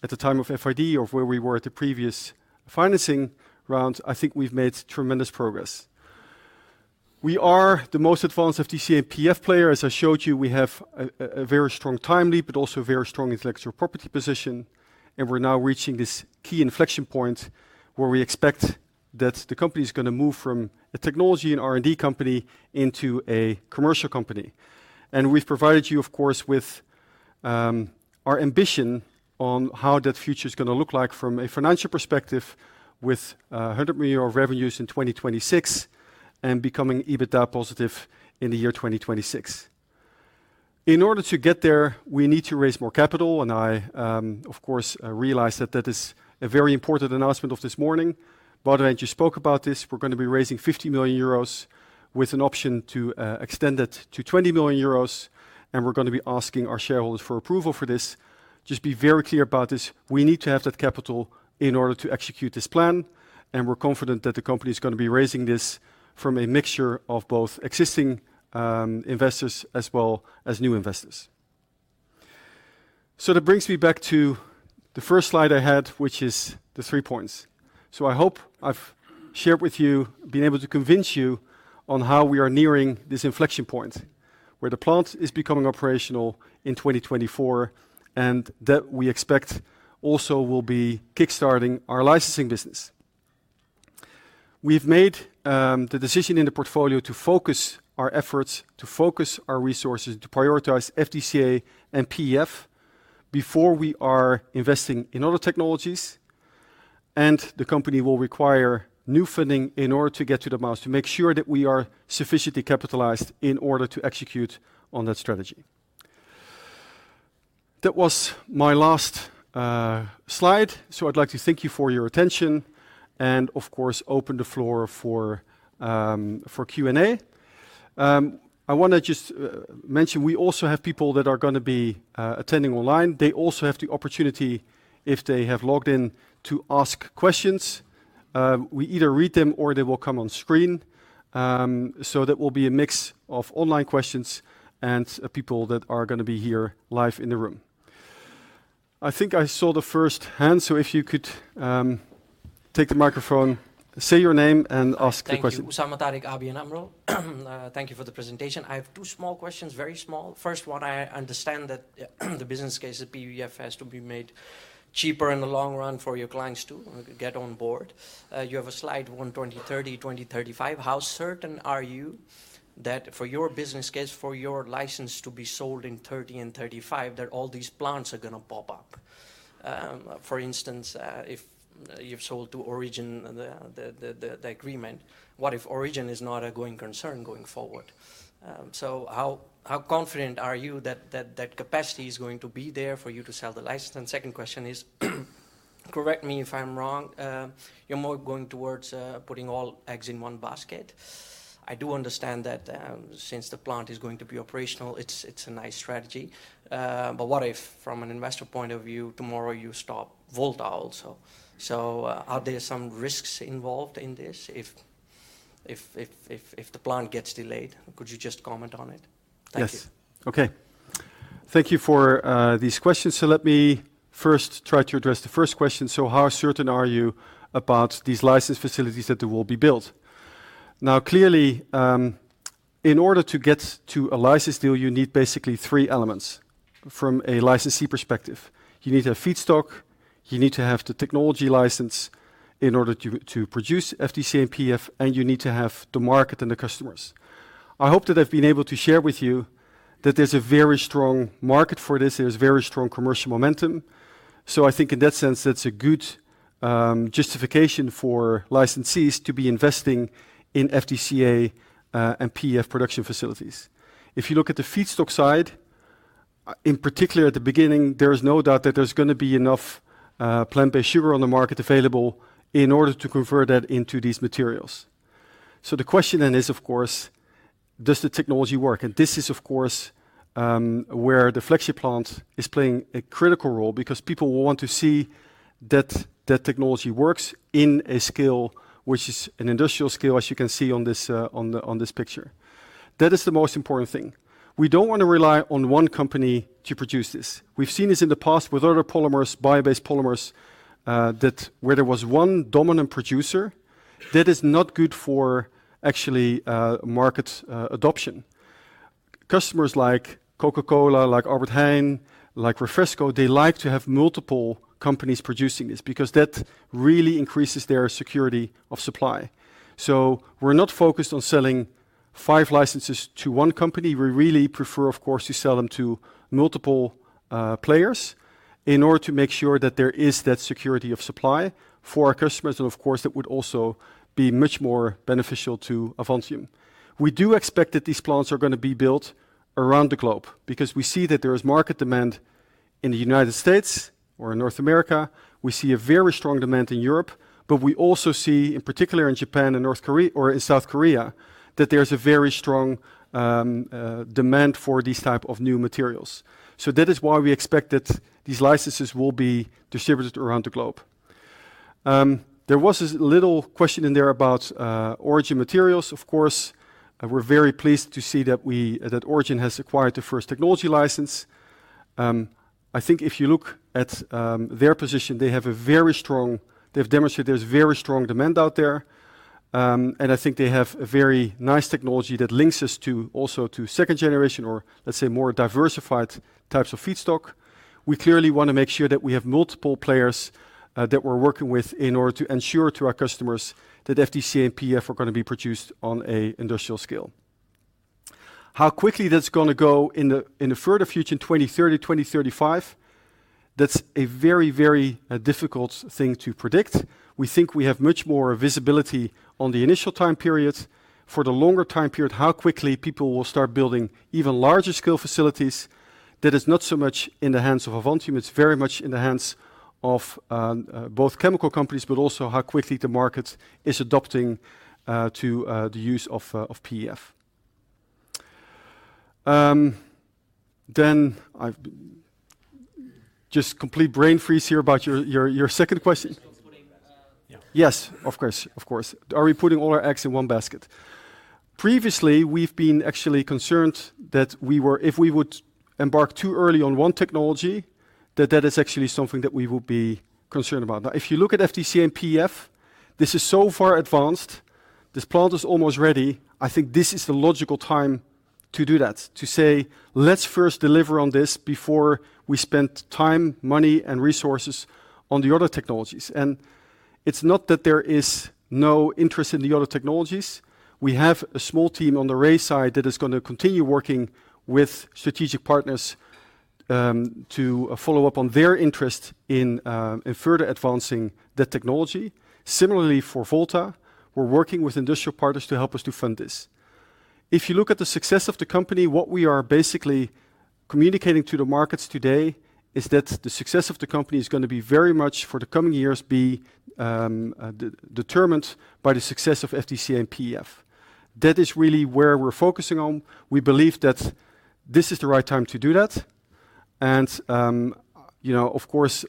S1: at the time of FID or where we were at the previous financing round, I think we've made tremendous progress. We are the most advanced FDCA and PEF player. As I showed you, we have a, a, a very strong time lead, but also a very strong intellectual property position, and we're now reaching this key inflection point where we expect that the company is going to move from a technology and R&D company into a commercial company. And we've provided you, of course, with our ambition on how that future is going to look like from a financial perspective, with 100 million of revenues in 2026 and becoming EBITDA positive in the year 2026. In order to get there, we need to raise more capital, and I, of course, realize that that is a very important announcement of this morning. Boudewijn just spoke about this. We're going to be raising 50 million euros with an option to extend it to 20 million euros, and we're going to be asking our shareholders for approval for this. Just be very clear about this, we need to have that capital in order to execute this plan, and we're confident that the company is going to be raising this from a mixture of both existing investors as well as new investors. So that brings me back to the first slide I had, which is the three points. So I hope I've shared with you, been able to convince you on how we are nearing this inflection point, where the plant is becoming operational in 2024, and that we expect also will be kickstarting our licensing business. We've made the decision in the portfolio to focus our efforts, to focus our resources, to prioritize FDCA and PEF before we are investing in other technologies. And the company will require new funding in order to get to the milestones, to make sure that we are sufficiently capitalized in order to execute on that strategy. That was my last slide, so I'd like to thank you for your attention and of course, open the floor for Q&A. I wanna just mention we also have people that are gonna be attending online. They also have the opportunity, if they have logged in, to ask questions. We either read them or they will come on screen. So that will be a mix of online questions and people that are gonna be here live in the room. I think I saw the first hand, so if you could take the microphone, say your name, and ask the question.
S6: Thank you. Osama Tariq, ABN AMRO. Thank you for the presentation. I have two small questions, very small. First one, I understand that the business case of PEF has to be made cheaper in the long run for your clients to get on board. You have a slide 2030, 2035. How certain are you that for your business case, for your license to be sold in 2030 and 2035, that all these plants are gonna pop up? For instance, if you've sold to Origin the agreement, what if Origin is not a going concern going forward? So how confident are you that that capacity is going to be there for you to sell the license? Second question is, correct me if I'm wrong, you're more going towards putting all eggs in one basket. I do understand that, since the plant is going to be operational, it's a nice strategy. But what if, from an investor point of view, tomorrow you stop Volta also? So, are there some risks involved in this if the plant gets delayed? Could you just comment on it? Thank you.
S1: Yes. Okay. Thank you for these questions. So let me first try to address the first question. So how certain are you about these license facilities that they will be built? Now, clearly, in order to get to a license deal, you need basically three elements from a licensee perspective. You need to have feedstock, you need to have the technology license in order to, to produce FDCA and PEF, and you need to have the market and the customers. I hope that I've been able to share with you that there's a very strong market for this. There's very strong commercial momentum. So I think in that sense, that's a good justification for licensees to be investing in FDCA and PEF production facilities. If you look at the feedstock side, in particular at the beginning, there is no doubt that there's gonna be enough plant-based sugar on the market available in order to convert that into these materials. So the question then is, of course, does the technology work? And this is of course where the flagship plant is playing a critical role, because people will want to see that the technology works in a scale which is an industrial scale, as you can see on this picture. That is the most important thing. We don't want to rely on one company to produce this. We've seen this in the past with other polymers, bio-based polymers, that where there was one dominant producer, that is not good for actually market adoption. Customers like Coca-Cola, like Albert Heijn, like Refresco, they like to have multiple companies producing this because that really increases their security of supply. So we're not focused on selling five licenses to one company. We really prefer, of course, to sell them to multiple players in order to make sure that there is that security of supply for our customers, and of course, that would also be much more beneficial to Avantium. We do expect that these plants are gonna be built around the globe because we see that there is market demand in the United States or in North America. We see a very strong demand in Europe, but we also see, in particular in Japan and North Kore-- or in South Korea, that there's a very strong demand for these type of new materials. So that is why we expect that these licenses will be distributed around the globe. There was a little question in there about Origin Materials. Of course, we're very pleased to see that Origin has acquired the first technology license. I think if you look at their position, they have a very strong... They've demonstrated there's very strong demand out there, and I think they have a very nice technology that links us to also to second generation or let's say more diversified types of feedstock. We clearly wanna make sure that we have multiple players that we're working with in order to ensure to our customers that FDCA and PEF are gonna be produced on an industrial scale. How quickly that's gonna go in the further future, in 2030, 2035, that's a very, very difficult thing to predict. We think we have much more visibility on the initial time period. For the longer time period, how quickly people will start building even larger-scale facilities, that is not so much in the hands of Avantium. It's very much in the hands of both chemical companies, but also how quickly the market is adopting to the use of PEF. Then I've just complete brain freeze here about your second question.
S6: Just putting eggs-
S1: Yes, of course, of course. Are we putting all our eggs in one basket? Previously, we've been actually concerned that we were if we would embark too early on one technology, that that is actually something that we would be concerned about. Now, if you look at FDCA and PEF, this is so far advanced, this plant is almost ready. I think this is the logical time to do that, to say, "Let's first deliver on this before we spend time, money, and resources on the other technologies." And it's not that there is no interest in the other technologies. We have a small team on the Ray side that is gonna continue working with strategic partners to follow up on their interest in further advancing the technology. Similarly, for Volta, we're working with industrial partners to help us to fund this. If you look at the success of the company, what we are basically communicating to the markets today is that the success of the company is gonna be very much, for the coming years, determined by the success of FDCA and PEF. That is really where we're focusing on. We believe that this is the right time to do that, and, you know, of course,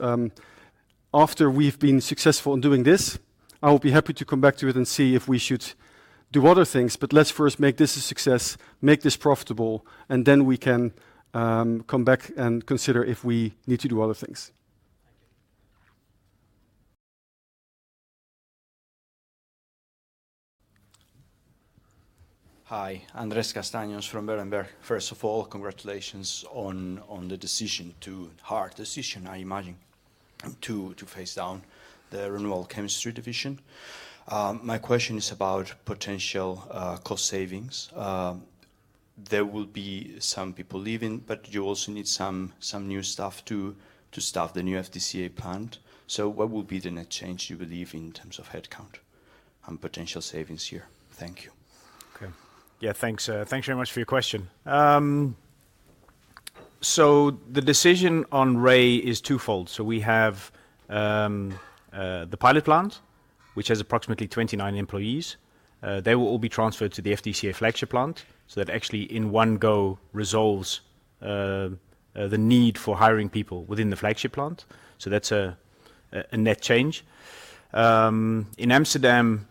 S1: after we've been successful in doing this, I will be happy to come back to it and see if we should do other things. But let's first make this a success, make this profitable, and then we can come back and consider if we need to do other things.
S6: Thank you.
S7: Hi, Andres Castanos from Berenberg. First of all, congratulations on the decision, hard decision, I imagine, to phase down the Renewable Chemistry division. My question is about potential cost savings. There will be some people leaving, but you also need some new staff to staff the new FDCA plant. So what will be the net change, you believe, in terms of headcount and potential savings here? Thank you.
S1: Okay. Yeah, thanks, thanks very much for your question. So the decision on Ray is twofold. So we have the pilot plant, which has approximately 29 employees. They will all be transferred to the FDCA flagship plant, so that actually in one go resolves the need for hiring people within the flagship plant. So that's a net change. In Amsterdam,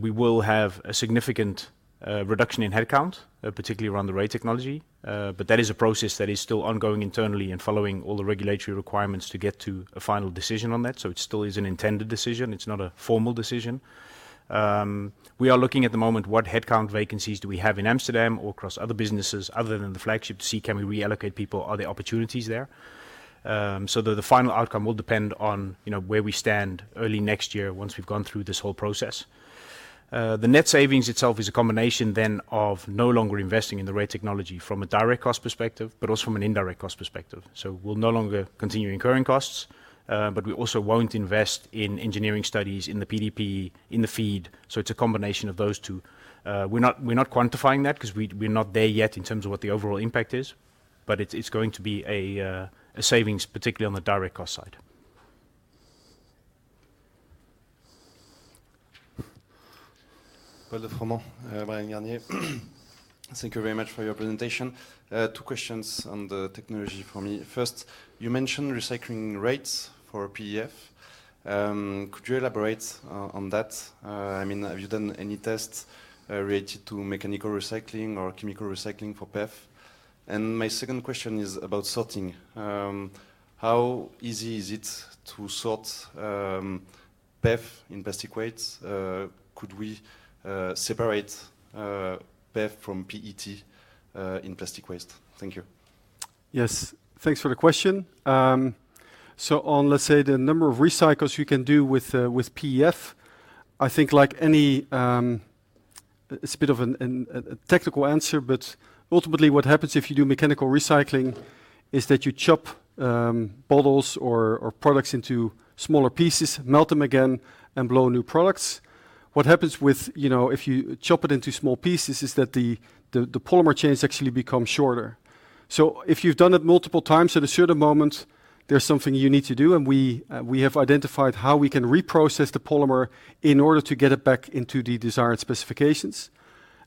S1: we will have a significant reduction in headcount, particularly around the Ray Technology. But that is a process that is still ongoing internally and following all the regulatory requirements to get to a final decision on that, so it still is an intended decision, it's not a formal decision. We are looking at the moment, what headcount vacancies do we have in Amsterdam or across other businesses other than the flagship to see, can we reallocate people? Are there opportunities there? So the final outcome will depend on, you know, where we stand early next year once we've gone through this whole process. The net savings itself is a combination then of no longer investing in the Ray Technology from a direct cost perspective, but also from an indirect cost perspective. So we'll no longer continue incurring costs, but we also won't invest in engineering studies, in the PDP, in the FEED. So it's a combination of those two. We're not, we're not quantifying that, 'cause we're not there yet in terms of what the overall impact is, but it's, it's going to be a savings, particularly on the direct cost side.
S8: Paul de Froment, Bryan Garnier. Thank you very much for your presentation. Two questions on the technology for me. First, you mentioned recycling rates for PEF. Could you elaborate on that? I mean, have you done any tests related to mechanical recycling or chemical recycling for PEF? And my second question is about sorting. How easy is it to sort PEF in plastic waste? Could we separate PEF from PET in plastic waste? Thank you.
S1: Yes. Thanks for the question. So on, let's say, the number of recycles you can do with PEF, I think like any... It's a bit of a technical answer, but ultimately, what happens if you do mechanical recycling is that you chop bottles or products into smaller pieces, melt them again, and blow new products. What happens with, you know, if you chop it into small pieces, is that the polymer chains actually become shorter. So if you've done it multiple times, at a certain moment, there's something you need to do, and we have identified how we can reprocess the polymer in order to get it back into the desired specifications.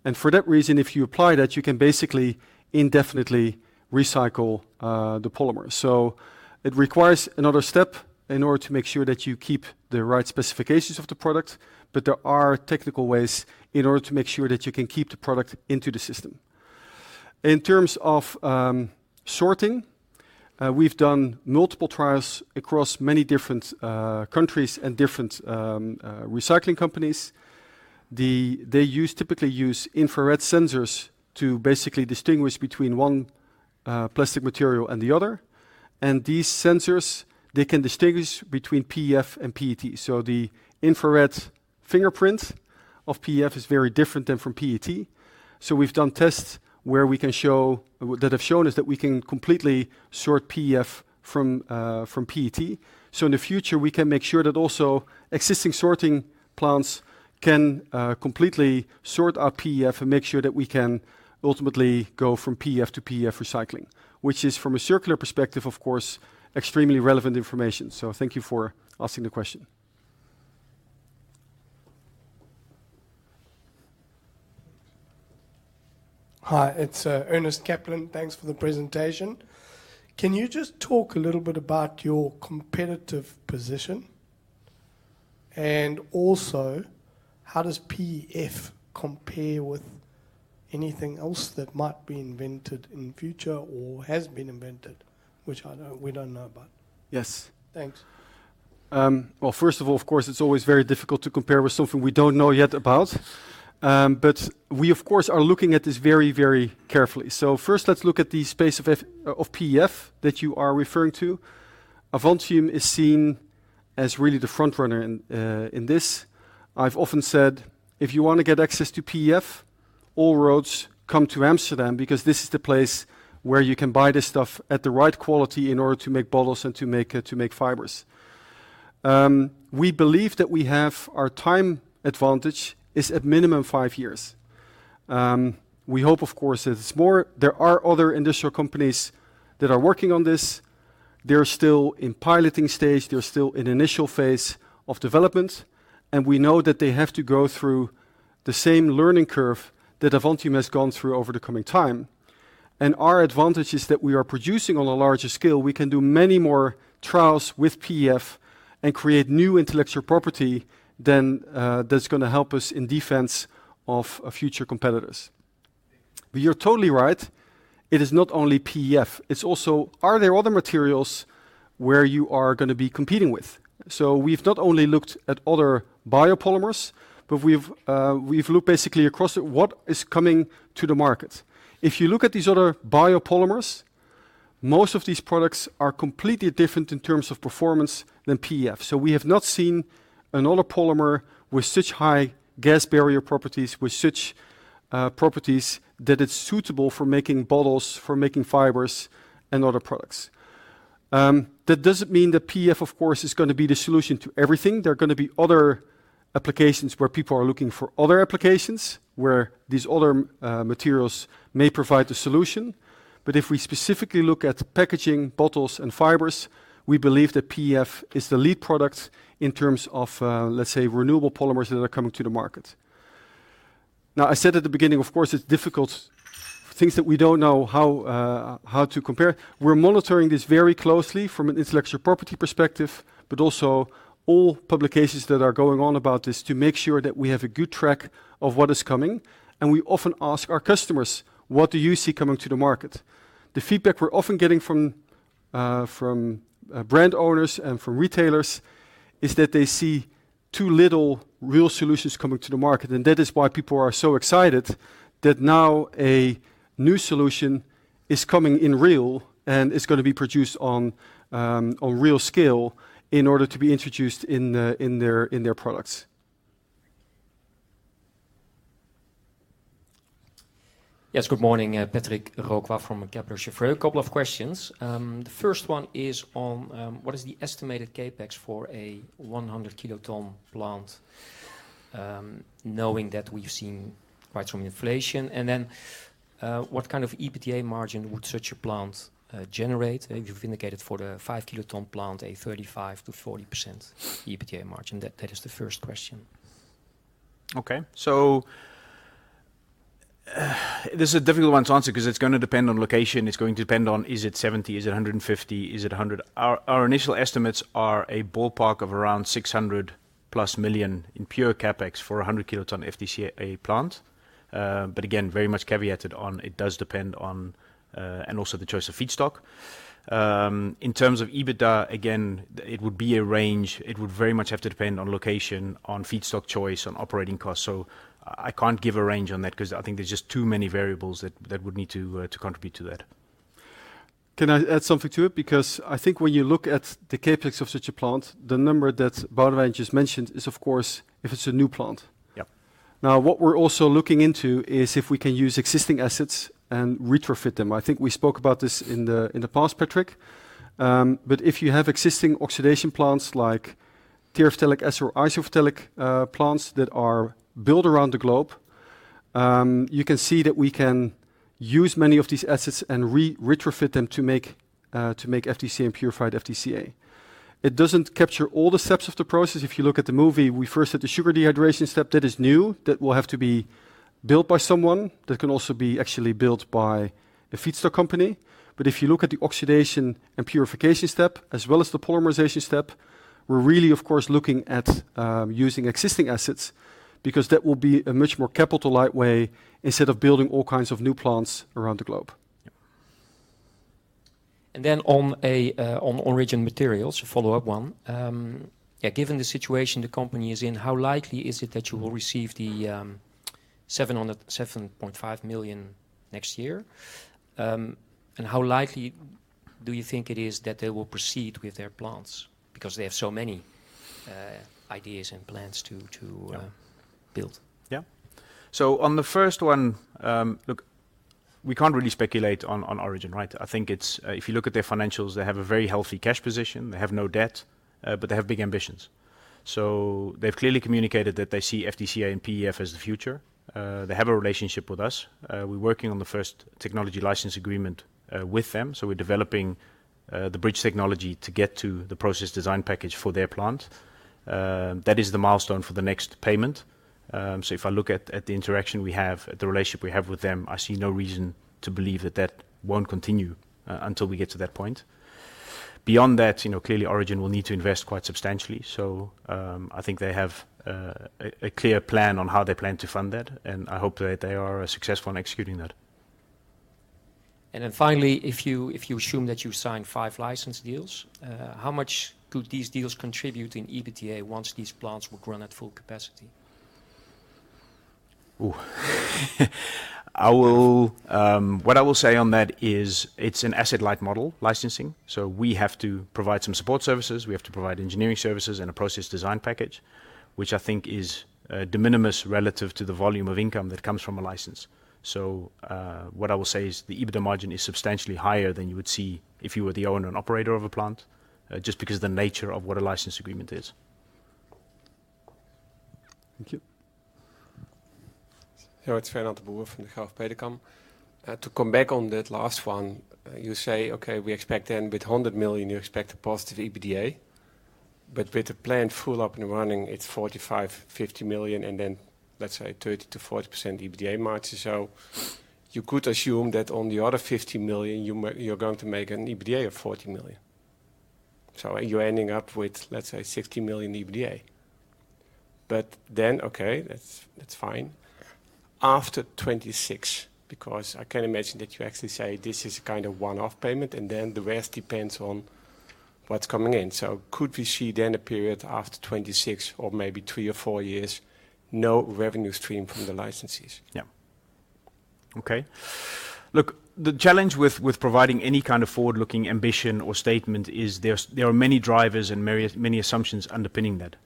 S1: And for that reason, if you apply that, you can basically indefinitely recycle the polymer. So it requires another step in order to make sure that you keep the right specifications of the product, but there are technical ways in order to make sure that you can keep the product into the system. In terms of sorting, we've done multiple trials across many different countries and different recycling companies. They typically use infrared sensors to basically distinguish between one plastic material and the other, and these sensors, they can distinguish between PEF and PET. So the infrared fingerprint of PEF is very different than from PET. So we've done tests that have shown us that we can completely sort PEF from PET. So in the future, we can make sure that also existing sorting plants can completely sort our PEF and make sure that we can ultimately go from PEF to PEF recycling, which is, from a circular perspective, of course, extremely relevant information. So thank you for asking the question.
S9: Hi, it's Irnest Kaplan. Thanks for the presentation. Can you just talk a little bit about your competitive position? And also, how does PEF compare with anything else that might be invented in future or has been invented, which we don't know about?
S1: Yes.
S9: Thanks....
S1: Well, first of all, of course, it's always very difficult to compare with something we don't know yet about. But we, of course, are looking at this very, very carefully. So first, let's look at the space of F, of PEF that you are referring to. Avantium is seen as really the front runner in this. I've often said, "If you wanna get access to PEF, all roads come to Amsterdam, because this is the place where you can buy this stuff at the right quality in order to make bottles and to make fibers." We believe that we have our time advantage is at minimum five years. We hope, of course, that it's more. There are other industrial companies that are working on this. They're still in piloting stage. They're still in initial phase of development, and we know that they have to go through the same learning curve that Avantium has gone through over the coming time. And our advantage is that we are producing on a larger scale. We can do many more trials with PEF and create new intellectual property than that's gonna help us in defense of future competitors. But you're totally right, it is not only PEF, it's also: Are there other materials where you are gonna be competing with? So we've not only looked at other biopolymers, but we've looked basically across at what is coming to the market. If you look at these other biopolymers, most of these products are completely different in terms of performance than PEF. So we have not seen another polymer with such high gas barrier properties, with such properties that it's suitable for making bottles, for making fibers, and other products. That doesn't mean that PEF, of course, is gonna be the solution to everything. There are gonna be other applications where people are looking for other applications, where these other materials may provide the solution. But if we specifically look at packaging, bottles, and fibers, we believe that PEF is the lead product in terms of, let's say, renewable polymers that are coming to the market. Now, I said at the beginning, of course, it's difficult, things that we don't know how, how to compare. We're monitoring this very closely from an intellectual property perspective, but also all publications that are going on about this, to make sure that we have a good track of what is coming. And we often ask our customers: What do you see coming to the market? The feedback we're often getting from brand owners and from retailers is that they see too little real solutions coming to the market, and that is why people are so excited that now a new solution is coming in real and is gonna be produced on real scale in order to be introduced in their products.
S10: Yes, good morning, Patrick Roquas from Kepler Cheuvreux. A couple of questions. The first one is on: What is the estimated CapEx for a 100 kiloton plant, knowing that we've seen quite some inflation? And then, what kind of EBITDA margin would such a plant generate? You've indicated for the 5-kiloton plant, a 35%-40% EBITDA margin. That, that is the first question.
S5: Okay. So, this is a difficult one to answer 'cause it's gonna depend on location, it's going to depend on is it 70, is it 150, is it 100? Our, our initial estimates are a ballpark of around 600+ million in pure CapEx for a 100 kiloton FDCA plant. But again, very much caveated on it does depend on. And also the choice of feedstock. In terms of EBITDA, again, it would be a range. It would very much have to depend on location, on feedstock choice, on operating costs. So I, I can't give a range on that, 'cause I think there's just too many variables that, that would need to contribute to that.
S1: Can I add something to it? Because I think when you look at the CapEx of such a plant, the number that Boudewijn just mentioned is, of course, if it's a new plant.
S5: Yep.
S1: Now, what we're also looking into is if we can use existing assets and retrofit them. I think we spoke about this in the, in the past, Patrick. But if you have existing oxidation plants, like terephthalic acid or isophthalic plants that are built around the globe, you can see that we can use many of these assets and retrofit them to make, to make FDCA and purified FDCA. It doesn't capture all the steps of the process. If you look at the movie, we first had the sugar dehydration step. That is new. That will have to be built by someone. That can also be actually built by a feedstock company. If you look at the oxidation and purification step, as well as the polymerization step, we're really, of course, looking at using existing assets, because that will be a much more capital-light way instead of building all kinds of new plants around the globe.
S5: Yep.
S10: And then on Origin Materials, a follow-up one. Yeah, given the situation the company is in, how likely is it that you will receive the 7.5 million next year? And how likely do you think it is that they will proceed with their plants, because they have so many ideas and plans to,
S5: Yeah ...
S10: build?
S5: Yeah. So on the first one, look, we can't really speculate on Origin, right? I think it's. If you look at their financials, they have a very healthy cash position. They have no debt, but they have big ambitions. So they've clearly communicated that they see FDCA and PEF as the future. They have a relationship with us. We're working on the first technology license agreement with them, so we're developing the bridge technology to get to the Process Design Package for their plant. That is the milestone for the next payment. So if I look at the interaction we have, at the relationship we have with them, I see no reason to believe that that won't continue until we get to that point. Beyond that, you know, clearly Origin will need to invest quite substantially, so, I think they have a clear plan on how they plan to fund that, and I hope that they are successful in executing that....
S10: Then finally, if you assume that you sign five license deals, how much could these deals contribute in EBITDA once these plants will run at full capacity?
S1: Ooh. I will, what I will say on that is it's an asset-light model, licensing, so we have to provide some support services. We have to provide engineering services and a process design package, which I think is, de minimis relative to the volume of income that comes from a license. So, what I will say is the EBITDA margin is substantially higher than you would see if you were the owner and operator of a plant, just because the nature of what a license agreement is.
S10: Thank you.
S11: Hello, it's Fernand de Boer from the Degroof Petercam. To come back on that last one, you say, "Okay, we expect then with 100 million, you expect a positive EBITDA." But with the plant full up and running, it's 45 million-50 million, and then, let's say, 30%-40% EBITDA margin. So you could assume that on the other 50 million, you're going to make an EBITDA of 40 million. So you're ending up with, let's say, 60 million EBITDA. But then, okay, that's fine. After 2026, because I can imagine that you actually say this is kind of one-off payment, and then the rest depends on what's coming in. So could we see then a period after 2026 or maybe three or four years, no revenue stream from the licensees?
S1: Yeah. Okay. Look, the challenge with providing any kind of forward-looking ambition or statement is there are many drivers and many assumptions underpinning that.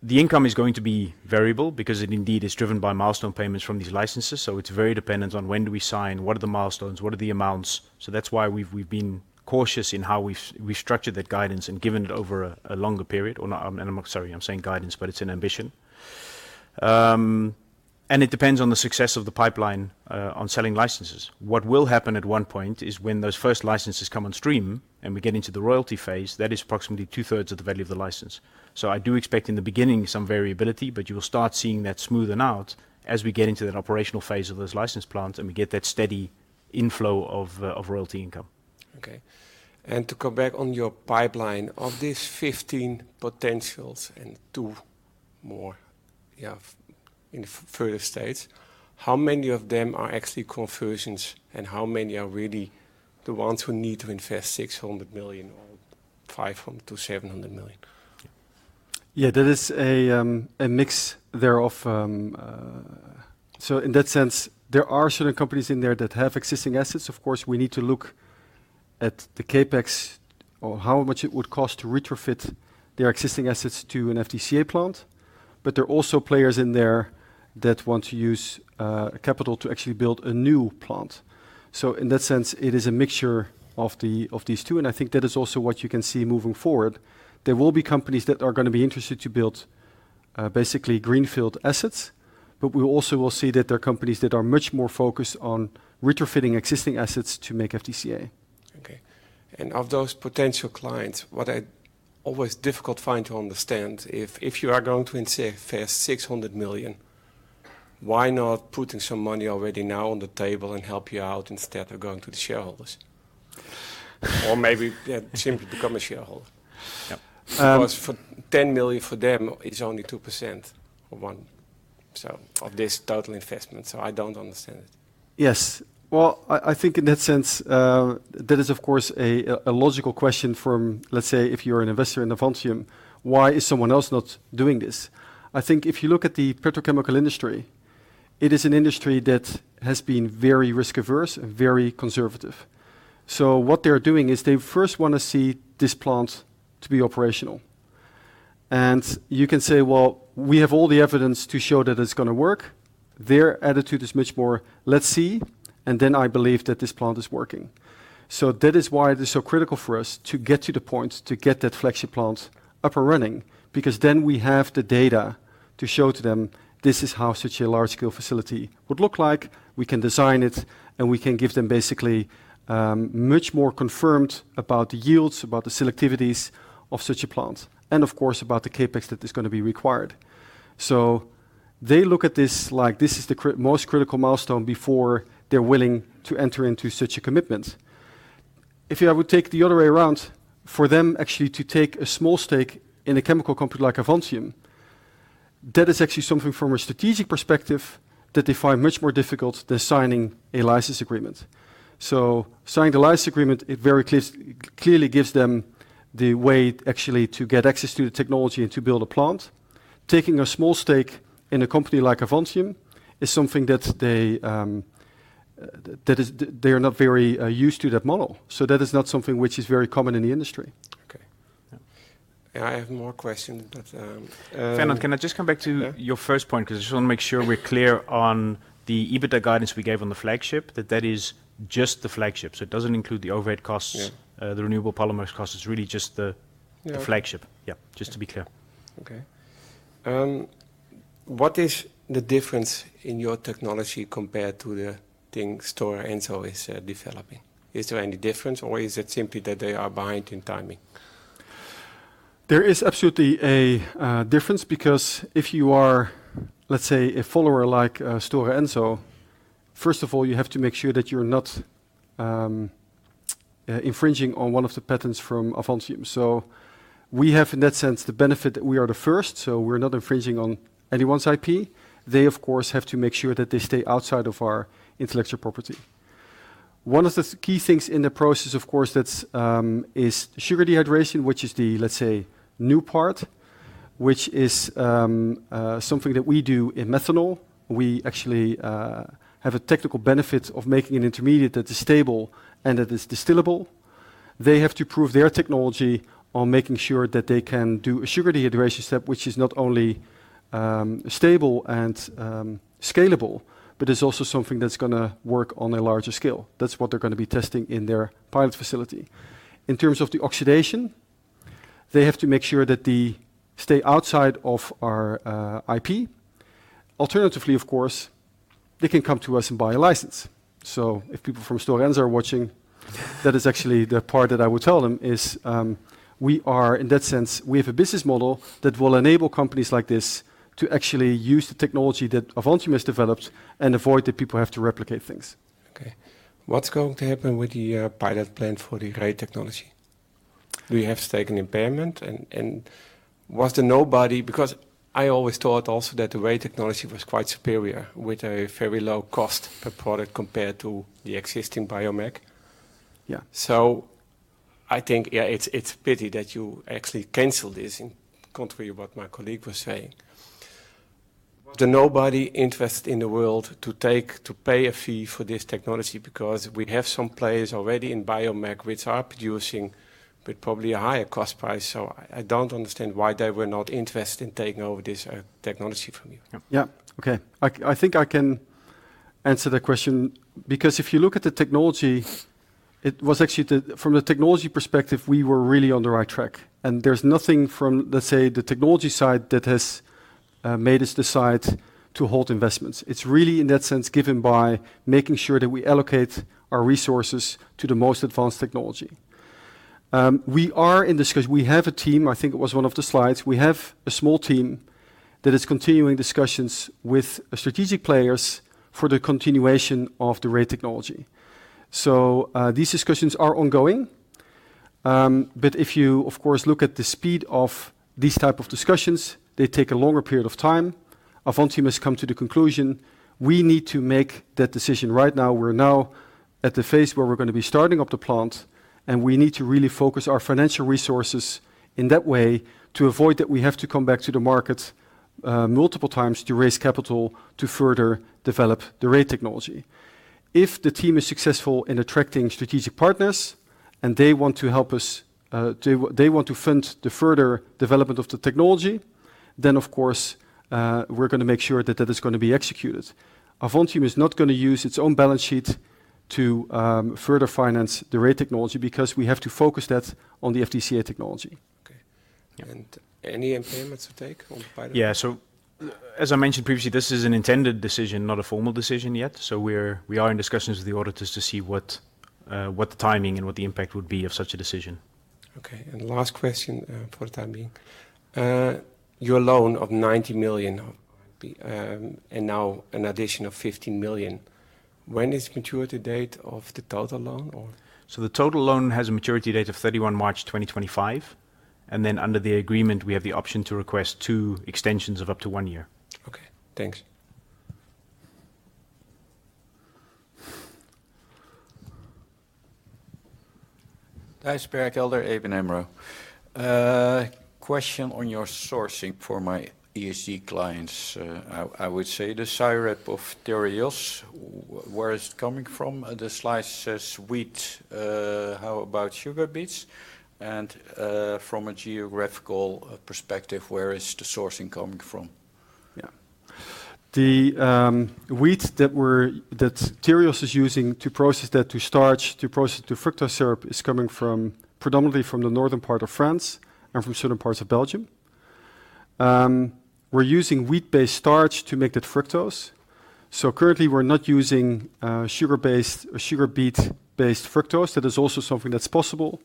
S1: The income is going to be variable because it indeed is driven by milestone payments from these licenses, so it's very dependent on when do we sign, what are the milestones, what are the amounts? So that's why we've been cautious in how we've structured that guidance and given it over a longer period. Or not... And I'm sorry, I'm saying guidance, but it's an ambition. And it depends on the success of the pipeline, on selling licenses. What will happen at one point is when those first licenses come on stream, and we get into the royalty phase, that is approximately two-thirds of the value of the license. So I do expect in the beginning some variability, but you will start seeing that smoothing out as we get into that operational phase of those licensed plants, and we get that steady inflow of royalty income.
S11: Okay. And to come back on your pipeline, of these 15 potentials and 2 more, you have in further stages, how many of them are actually conversions, and how many are really the ones who need to invest 600 million or 500 million-700 million?
S1: Yeah, there is a mix thereof. So in that sense, there are certain companies in there that have existing assets. Of course, we need to look at the CapEx or how much it would cost to retrofit their existing assets to a FDCA plant. But there are also players in there that want to use capital to actually build a new plant. So in that sense, it is a mixture of these two, and I think that is also what you can see moving forward. There will be companies that are gonna be interested to build basically greenfield assets, but we also will see that there are companies that are much more focused on retrofitting existing assets to make FDCA.
S11: Okay. Of those potential clients, what I always find difficult to understand is, if you are going to invest 600 million, why not put some money already now on the table and help you out instead of going to the shareholders? Or maybe, yeah, simply become a shareholder.
S1: Yeah. Um-
S11: Because for 10 million for them, it's only 2% or 1, so, of this total investment, so I don't understand it.
S1: Yes. Well, I think in that sense, that is, of course, a logical question from, let's say, if you're an investor in Avantium, why is someone else not doing this? I think if you look at the petrochemical industry, it is an industry that has been very risk-averse and very conservative. So what they're doing is they first wanna see this plant to be operational. And you can say: Well, we have all the evidence to show that it's gonna work. Their attitude is much more, "Let's see, and then I believe that this plant is working." So that is why it is so critical for us to get to the point, to get that flagship plant up and running, because then we have the data to show to them, this is how such a large-scale facility would look like. We can design it, and we can give them basically much more confirmed about the yields, about the selectivities of such a plant, and of course, about the CapEx that is gonna be required. So they look at this like this is the most critical milestone before they're willing to enter into such a commitment. Would take the other way around, for them actually to take a small stake in a chemical company like Avantium, that is actually something from a strategic perspective that they find much more difficult than signing a license agreement. So signing the license agreement, it very clearly gives them the way actually to get access to the technology and to build a plant. Taking a small stake in a company like Avantium is something that they, that is they are not very used to that model. That is not something which is very common in the industry.
S11: Okay.
S1: Yeah.
S11: I have more questions, but-
S1: Fernand, can I just come back to-
S11: Yeah
S1: ...your first point? 'Cause I just wanna make sure we're clear on the EBITDA guidance we gave on the flagship, that that is just the flagship. So it doesn't include the overhead costs-
S11: Yeah...
S1: the renewable polymers costs. It's really just the-
S11: Yeah...
S1: the flagship. Yeah, just to be clear.
S11: Okay. What is the difference in your technology compared to the thing Stora Enso is developing? Is there any difference, or is it simply that they are behind in timing?
S1: There is absolutely a difference because if you are, let's say, a follower like Stora Enso, first of all, you have to make sure that you're not infringing on one of the patents from Avantium. So we have, in that sense, the benefit that we are the first, so we're not infringing on anyone's IP. They, of course, have to make sure that they stay outside of our intellectual property. One of the key things in the process, of course, that's sugar dehydration, which is the, let's say, new part, which is something that we do in methanol. We actually have a technical benefit of making an intermediate that is stable and that is distillable. They have to prove their technology on making sure that they can do a sugar dehydration step, which is not only stable and scalable, but is also something that's gonna work on a larger scale. That's what they're gonna be testing in their pilot facility. In terms of the oxidation, they have to make sure that they stay outside of our IP. Alternatively, of course, they can come to us and buy a license. So if people from Stora Enso are watching, that is actually the part that I would tell them is, In that sense, we have a business model that will enable companies like this to actually use the technology that Avantium has developed and avoid that people have to replicate things.
S11: Okay. What's going to happen with the pilot plant for the Ray Technology? We have taken impairment and, and was there nobody—Because I always thought also that the Ray Technology was quite superior, with a very low cost per product compared to the existing bio-MEG.
S1: Yeah.
S11: So I think, yeah, it's a pity that you actually canceled this, contrary to what my colleague was saying. Was there no interest in the world to take, to pay a fee for this technology? Because we have some players already in the market which are producing, but probably a higher cost price. So I don't understand why they were not interested in taking over this technology from you.
S1: Yeah. Yeah. Okay. I think I can answer that question. Because if you look at the technology, it was actually the... From the technology perspective, we were really on the right track, and there's nothing from, let's say, the technology side that has made us decide to halt investments. It's really, in that sense, given by making sure that we allocate our resources to the most advanced technology. We are in discussion. We have a team, I think it was one of the slides. We have a small team that is continuing discussions with strategic players for the continuation of the Ray Technology. So, these discussions are ongoing. But if you, of course, look at the speed of these type of discussions, they take a longer period of time. Avantium has come to the conclusion we need to make that decision right now. We're now at the phase where we're gonna be starting up the plant, and we need to really focus our financial resources in that way to avoid that we have to come back to the market, multiple times to raise capital to further develop the Ray Technology. If the team is successful in attracting strategic partners, and they want to help us. They want to fund the further development of the technology, then of course, we're gonna make sure that that is gonna be executed. Avantium is not gonna use its own balance sheet to, further finance the Ray Technology because we have to focus that on the FDCA technology.
S11: Okay.
S1: Yeah.
S11: Any impairments to take on the pilot?
S5: Yeah. So as I mentioned previously, this is an intended decision, not a formal decision yet. So we are in discussions with the auditors to see what the timing and what the impact would be of such a decision.
S11: Okay, and last question for the time being. Your loan of 90 million, and now an addition of 15 million, when is maturity date of the total loan or-
S5: The total loan has a maturity date of 31 March 2025, and then under the agreement, we have the option to request two extensions of up to one year.
S11: Okay. Thanks....
S12: Gijs Berkelder, ABN AMRO. Question on your sourcing for my ESG clients. I would say, the syrup of Tereos, where is it coming from? The slide says wheat. How about sugar beets? And from a geographical perspective, where is the sourcing coming from?
S1: Yeah. The wheat that Tereos is using to process that to starch, to process to fructose syrup, is coming from, predominantly from the northern part of France and from certain parts of Belgium. We're using wheat-based starch to make that fructose. So currently, we're not using sugar-based sugar beet-based fructose. That is also something that's possible.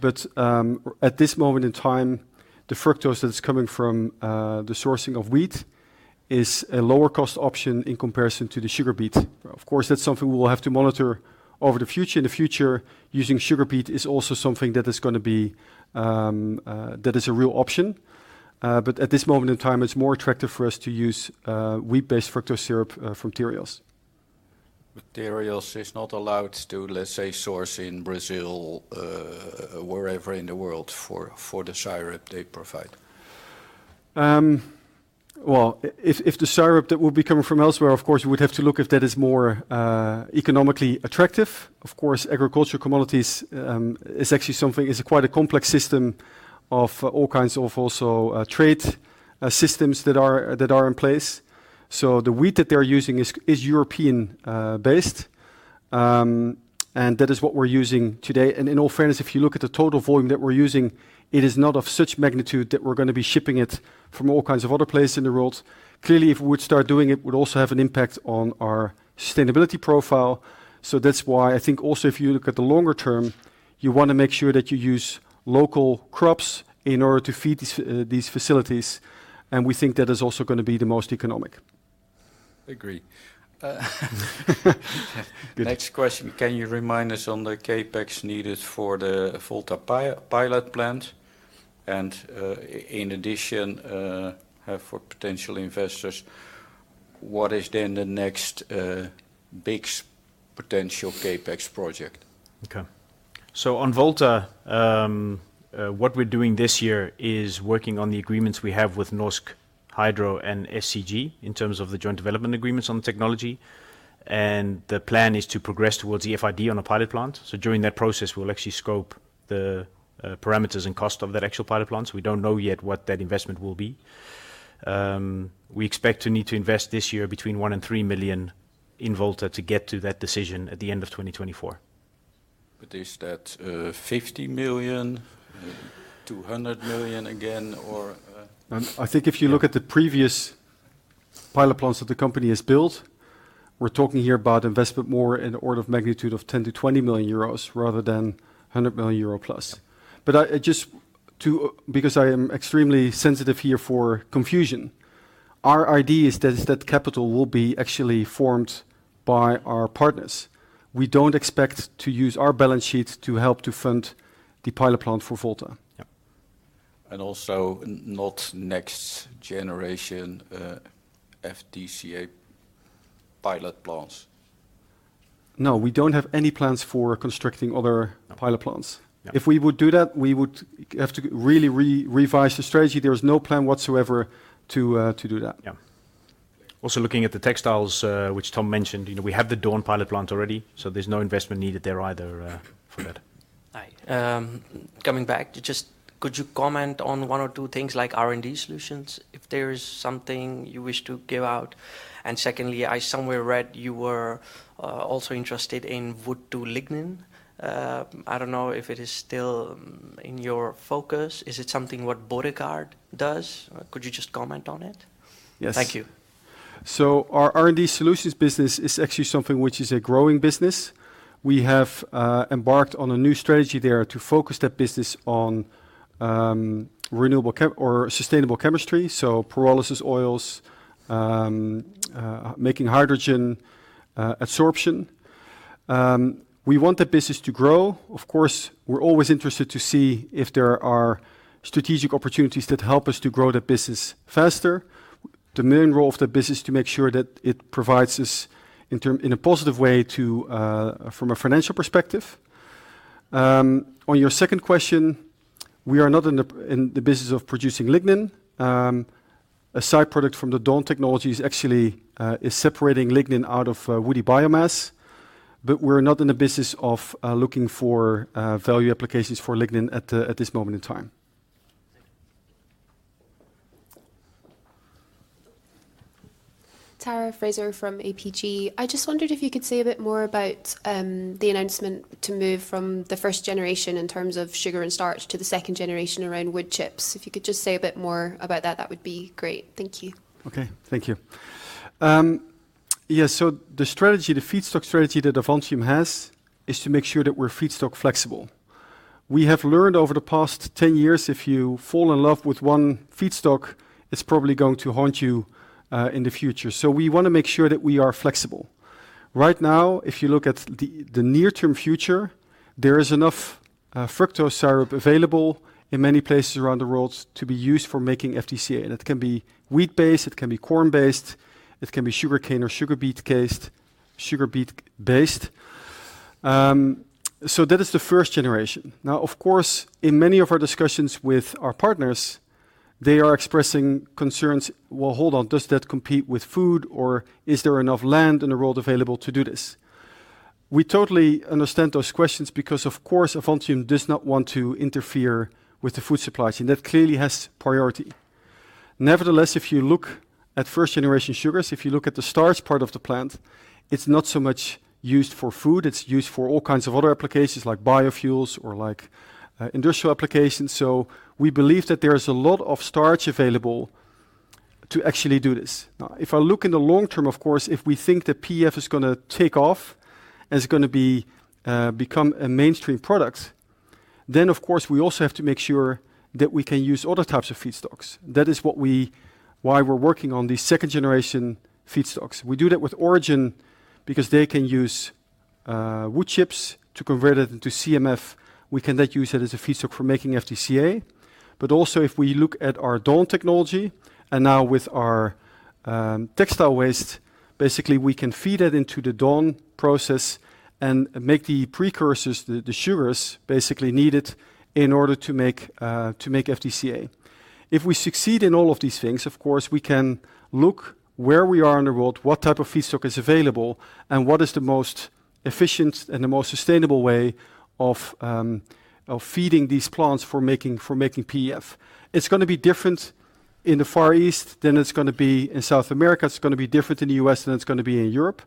S1: But at this moment in time, the fructose that's coming from the sourcing of wheat is a lower-cost option in comparison to the sugar beet. Of course, that's something we will have to monitor over the future. In the future, using sugar beet is also something that is gonna be that is a real option. But at this moment in time, it's more attractive for us to use wheat-based fructose syrup from Tereos.
S12: But Tereos is not allowed to, let's say, source in Brazil, wherever in the world for, for the syrup they provide?
S1: Well, if the syrup that would be coming from elsewhere, of course, we would have to look if that is more economically attractive. Of course, agricultural commodities is actually something; it is quite a complex system of all kinds of also trade systems that are in place. So the wheat that they're using is European based. And that is what we're using today. And in all fairness, if you look at the total volume that we're using, it is not of such magnitude that we're gonna be shipping it from all kinds of other places in the world. Clearly, if we would start doing it, it would also have an impact on our sustainability profile. So that's why I think also, if you look at the longer term, you want to make sure that you use local crops in order to feed these facilities, and we think that is also gonna be the most economic....
S12: Agree.
S1: Good.
S12: Next question: Can you remind us on the CapEx needed for the Volta pilot plant? And, in addition, for potential investors, what is then the next big potential CapEx project?
S1: Okay. So on Volta, what we're doing this year is working on the agreements we have with Norsk Hydro and SCG, in terms of the joint development agreements on the technology. The plan is to progress towards FID on a pilot plant. During that process, we'll actually scope the parameters and cost of that actual pilot plant. We don't know yet what that investment will be. We expect to need to invest this year between 1 million and 3 million in Volta to get to that decision at the end of 2024.
S12: But is that 50 million, 200 million again, or?
S1: I think if you look at the previous pilot plants that the company has built, we're talking here about investment more in the order of magnitude of 10 million-20 million euros, rather than 100 million euro plus. But because I am extremely sensitive here for confusion, our idea is that capital will be actually formed by our partners. We don't expect to use our balance sheet to help to fund the pilot plant for Volta.
S12: Yeah. And also, not next generation FDCA pilot plants?
S1: No, we don't have any plans for constructing other-
S12: No...
S1: pilot plants.
S12: Yeah.
S1: If we would do that, we would have to really revise the strategy. There is no plan whatsoever to do that.
S12: Yeah.
S1: Also, looking at the textiles, which Tom mentioned, you know, we have the Dawn pilot plant already, so there's no investment needed there either, for that.
S6: Hi. Coming back to just... Could you comment on one or two things like R&D Solutions, if there is something you wish to give out? And secondly, I somewhere read you were also interested in wood to lignin. I don't know if it is still in your focus. Is it something what Borregaard does? Could you just comment on it?
S1: Yes.
S6: Thank you.
S1: So our R&D Solutions business is actually something which is a growing business. We have embarked on a new strategy there to focus that business on renewable or sustainable chemistry, so pyrolysis oils, making hydrogen, absorption. We want that business to grow. Of course, we're always interested to see if there are strategic opportunities that help us to grow the business faster. The main role of the business is to make sure that it provides us in a positive way to from a financial perspective. On your second question, we are not in the business of producing lignin. A side product from the Dawn Technology is actually separating lignin out of woody biomass, but we're not in the business of looking for value applications for lignin at this moment in time.
S13: Tara Fraser from APG. I just wondered if you could say a bit more about the announcement to move from the first generation, in terms of sugar and starch, to the second generation around wood chips. If you could just say a bit more about that, that would be great. Thank you.
S1: Okay. Thank you. Yeah, so the strategy, the feedstock strategy that Avantium has, is to make sure that we're feedstock flexible. We have learned over the past 10 years, if you fall in love with one feedstock, it's probably going to haunt you in the future. So we want to make sure that we are flexible. Right now, if you look at the near-term future, there is enough fructose syrup available in many places around the world to be used for making FDCA. And it can be wheat-based, it can be corn-based, it can be sugarcane or sugar beet-based, sugar beet-based. So that is the first generation. Now, of course, in many of our discussions with our partners, they are expressing concerns: "Well, hold on, does that compete with food, or is there enough land in the world available to do this?" We totally understand those questions because, of course, Avantium does not want to interfere with the food supply chain. That clearly has priority. Nevertheless, if you look at first-generation sugars, if you look at the starch part of the plant, it's not so much used for food, it's used for all kinds of other applications, like biofuels or like, industrial applications. So we believe that there is a lot of starch available to actually do this. Now, if I look in the long term, of course, if we think that PEF is gonna take off, and it's gonna become a mainstream product, then, of course, we also have to make sure that we can use other types of feedstocks. That is why we're working on these second-generation feedstocks. We do that with Origin, because they can use wood chips to convert it into CMF. We can then use it as a feedstock for making FDCA. But also, if we look at our Dawn Technology, and now with our textile waste, basically, we can feed it into the Dawn process and make the precursors, the sugars basically needed in order to make FDCA. If we succeed in all of these things, of course, we can look where we are in the world, what type of feedstock is available, and what is the most efficient and the most sustainable way of, of feeding these plants for making, for making PEF. It's gonna be different in the Far East than it's gonna be in South America. It's gonna be different in the US than it's gonna be in Europe.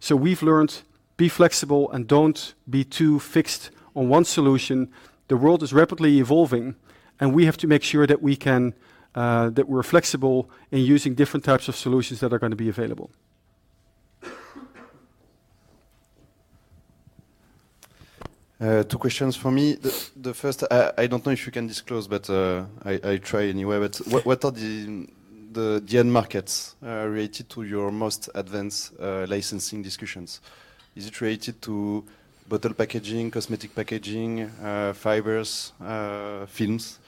S1: So we've learned, be flexible and don't be too fixed on one solution. The world is rapidly evolving, and we have to make sure that we can that we're flexible in using different types of solutions that are gonna be available. ...
S14: Two questions for me. The first, I don't know if you can disclose, but, I try anyway. But what are the end markets related to your most advanced licensing discussions? Is it related to bottle packaging, cosmetic packaging, fibers, films?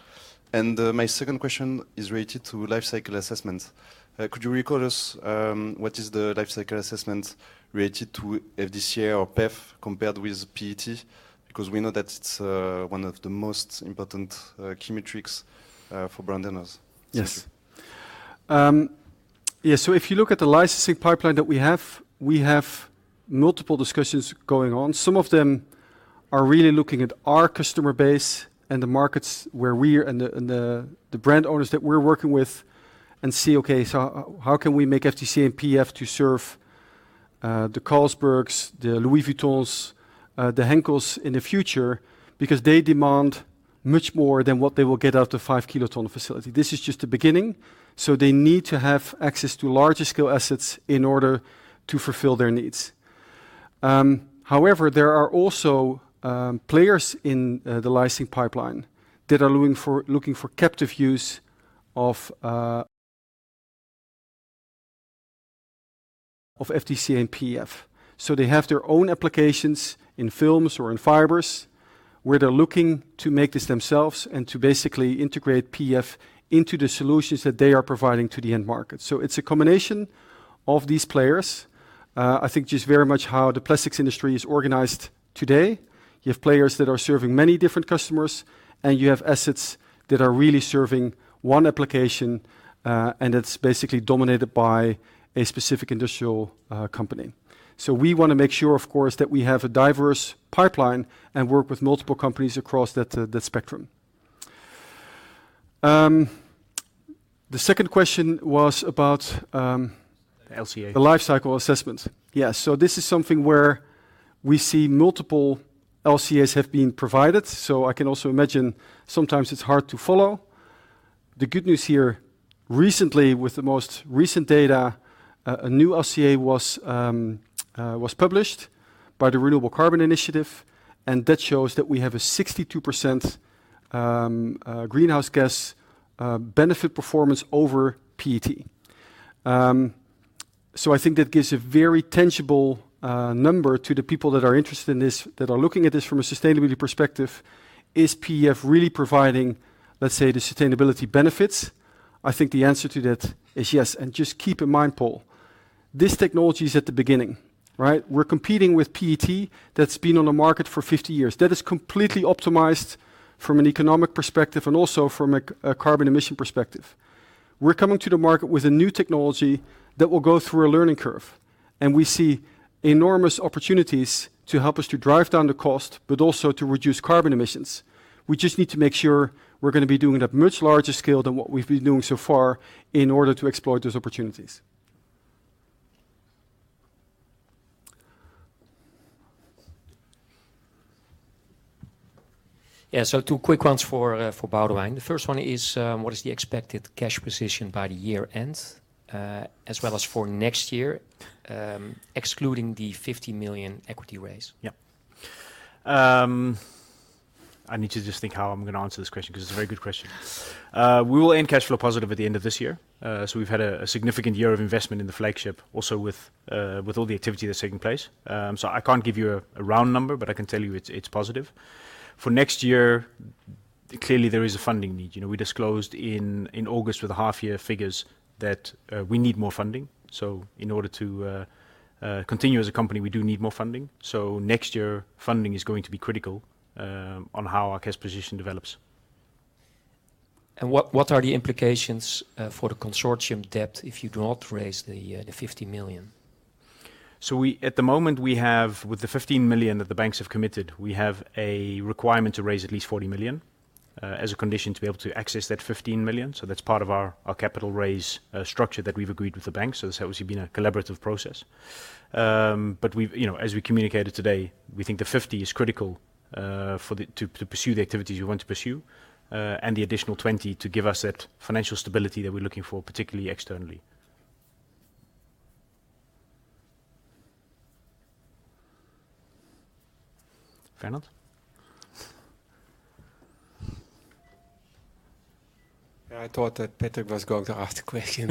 S14: And my second question is related to life cycle assessments. Could you recall us what is the life cycle assessments related to FDCA or PEF compared with PET? Because we know that it's one of the most important key metrics for brand owners.
S1: Yes. Yeah, so if you look at the licensing pipeline that we have, we have multiple discussions going on. Some of them are really looking at our customer base and the markets where we're and the brand owners that we're working with, and say, "Okay, so how can we make FDCA and PEF to serve the Carlsbergs, the Louis Vuittons, the Henkels in the future?" Because they demand much more than what they will get out of a 5-kiloton facility. This is just the beginning, so they need to have access to larger scale assets in order to fulfill their needs. However, there are also players in the licensing pipeline that are looking for captive use of FDCA and PEF. So they have their own applications in films or in fibers, where they're looking to make this themselves and to basically integrate PEF into the solutions that they are providing to the end market. So it's a combination of these players. I think just very much how the plastics industry is organized today. You have players that are serving many different customers, and you have assets that are really serving one application, and it's basically dominated by a specific industrial company. So we want to make sure, of course, that we have a diverse pipeline and work with multiple companies across that spectrum. The second question was about,
S10: LCA...
S1: the life cycle assessment. Yeah. So this is something where we see multiple LCAs have been provided, so I can also imagine sometimes it's hard to follow. The good news here, recently, with the most recent data, a new LCA was published by the Renewable Carbon Initiative, and that shows that we have a 62% greenhouse gas benefit performance over PET. So I think that gives a very tangible number to the people that are interested in this, that are looking at this from a sustainability perspective. Is PEF really providing, let's say, the sustainability benefits? I think the answer to that is yes. And just keep in mind, Paul, this technology is at the beginning, right? We're competing with PET that's been on the market for 50 years. That is completely optimized from an economic perspective and also from a carbon emission perspective. We're coming to the market with a new technology that will go through a learning curve, and we see enormous opportunities to help us to drive down the cost, but also to reduce carbon emissions. We just need to make sure we're going to be doing it at a much larger scale than what we've been doing so far in order to exploit those opportunities.
S10: Yeah. So two quick ones for Boudewijn. The first one is: What is the expected cash position by the year end, as well as for next year, excluding the 50 million equity raise?
S5: Yeah. I need to just think how I'm going to answer this question, because it's a very good question. We will end cash flow positive at the end of this year. So we've had a significant year of investment in the flagship also with all the activity that's taking place. So I can't give you a round number, but I can tell you it's positive. For next year, clearly, there is a funding need. You know, we disclosed in August with the half year figures that we need more funding. So in order to continue as a company, we do need more funding. So next year, funding is going to be critical on how our cash position develops.
S10: What are the implications for the consortium debt if you do not raise the 50 million?
S5: At the moment, we have, with the 15 million that the banks have committed, we have a requirement to raise at least 40 million as a condition to be able to access that 15 million. So that's part of our capital raise structure that we've agreed with the banks, so it's obviously been a collaborative process. But we've, you know, as we communicated today, we think the 50 million is critical for the-- to pursue the activities we want to pursue, and the additional 20 million to give us that financial stability that we're looking for, particularly externally.
S1: Fernand?
S11: Yeah, I thought that Patrick was going to ask the question,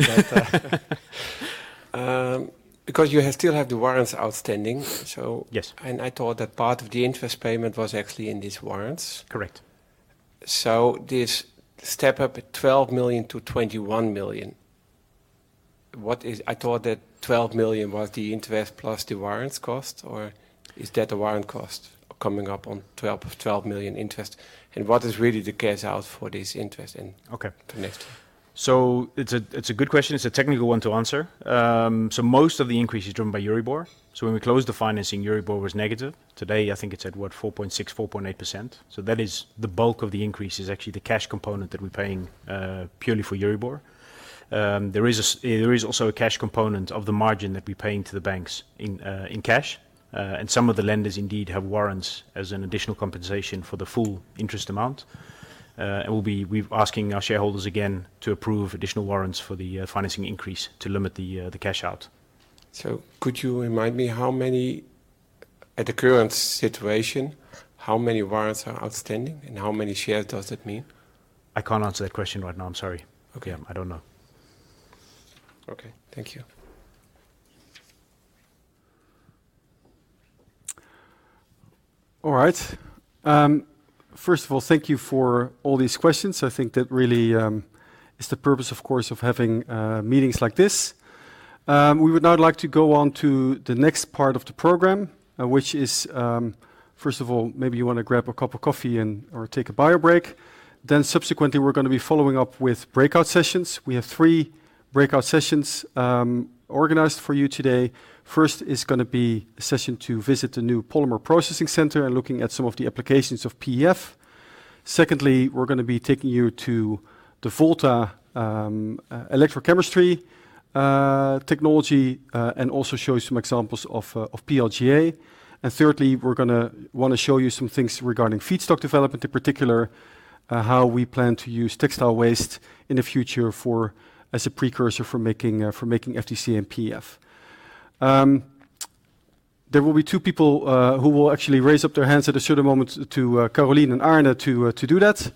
S11: but, because you have still have the warrants outstanding, so-
S5: Yes.
S11: I thought that part of the interest payment was actually in these warrants.
S5: Correct.
S14: So this step up at 12 million to 21 million, what is... I thought that 12 million was the interest plus the warrants cost, or is that the warrant cost coming up on 12, 12 million interest? And what is really the cash out for this interest in-
S5: Okay.
S11: -the next?
S5: So it's a good question. It's a technical one to answer. So most of the increase is driven by Euribor. So when we closed the financing, Euribor was negative. Today, I think it's at, what? 4.6%-4.8%. So that is the bulk of the increase is actually the cash component that we're paying purely for Euribor. There is also a cash component of the margin that we're paying to the banks in cash, and some of the lenders indeed have warrants as an additional compensation for the full interest amount. And we're asking our shareholders again to approve additional warrants for the financing increase to limit the cash out.
S11: Could you remind me how many, at the current situation, how many warrants are outstanding, and how many shares does that mean?
S5: I can't answer that question right now. I'm sorry.
S11: Okay.
S5: I don't know.
S11: Okay. Thank you.
S1: All right. First of all, thank you for all these questions. I think that really is the purpose, of course, of having meetings like this. We would now like to go on to the next part of the program, which is... First of all, maybe you want to grab a cup of coffee and/or take a bio break. Then subsequently, we're going to be following up with breakout sessions. We have three breakout sessions organized for you today. First is gonna be a session to visit the new Polymer Processing Center and looking at some of the applications of PEF. Secondly, we're gonna be taking you to the Volta electrochemistry technology and also show you some examples of PLGA. Thirdly, we're gonna want to show you some things regarding feedstock development, in particular, how we plan to use textile waste in the future for, as a precursor for making, for making FDCA and PEF. There will be two people who will actually raise up their hands at a certain moment to Caroline and Arne to do that.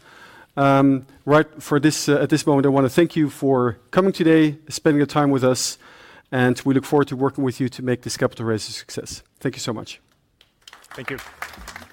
S1: Right, for this... At this moment, I want to thank you for coming today, spending your time with us, and we look forward to working with you to make this capital raise a success. Thank you so much.
S5: Thank you.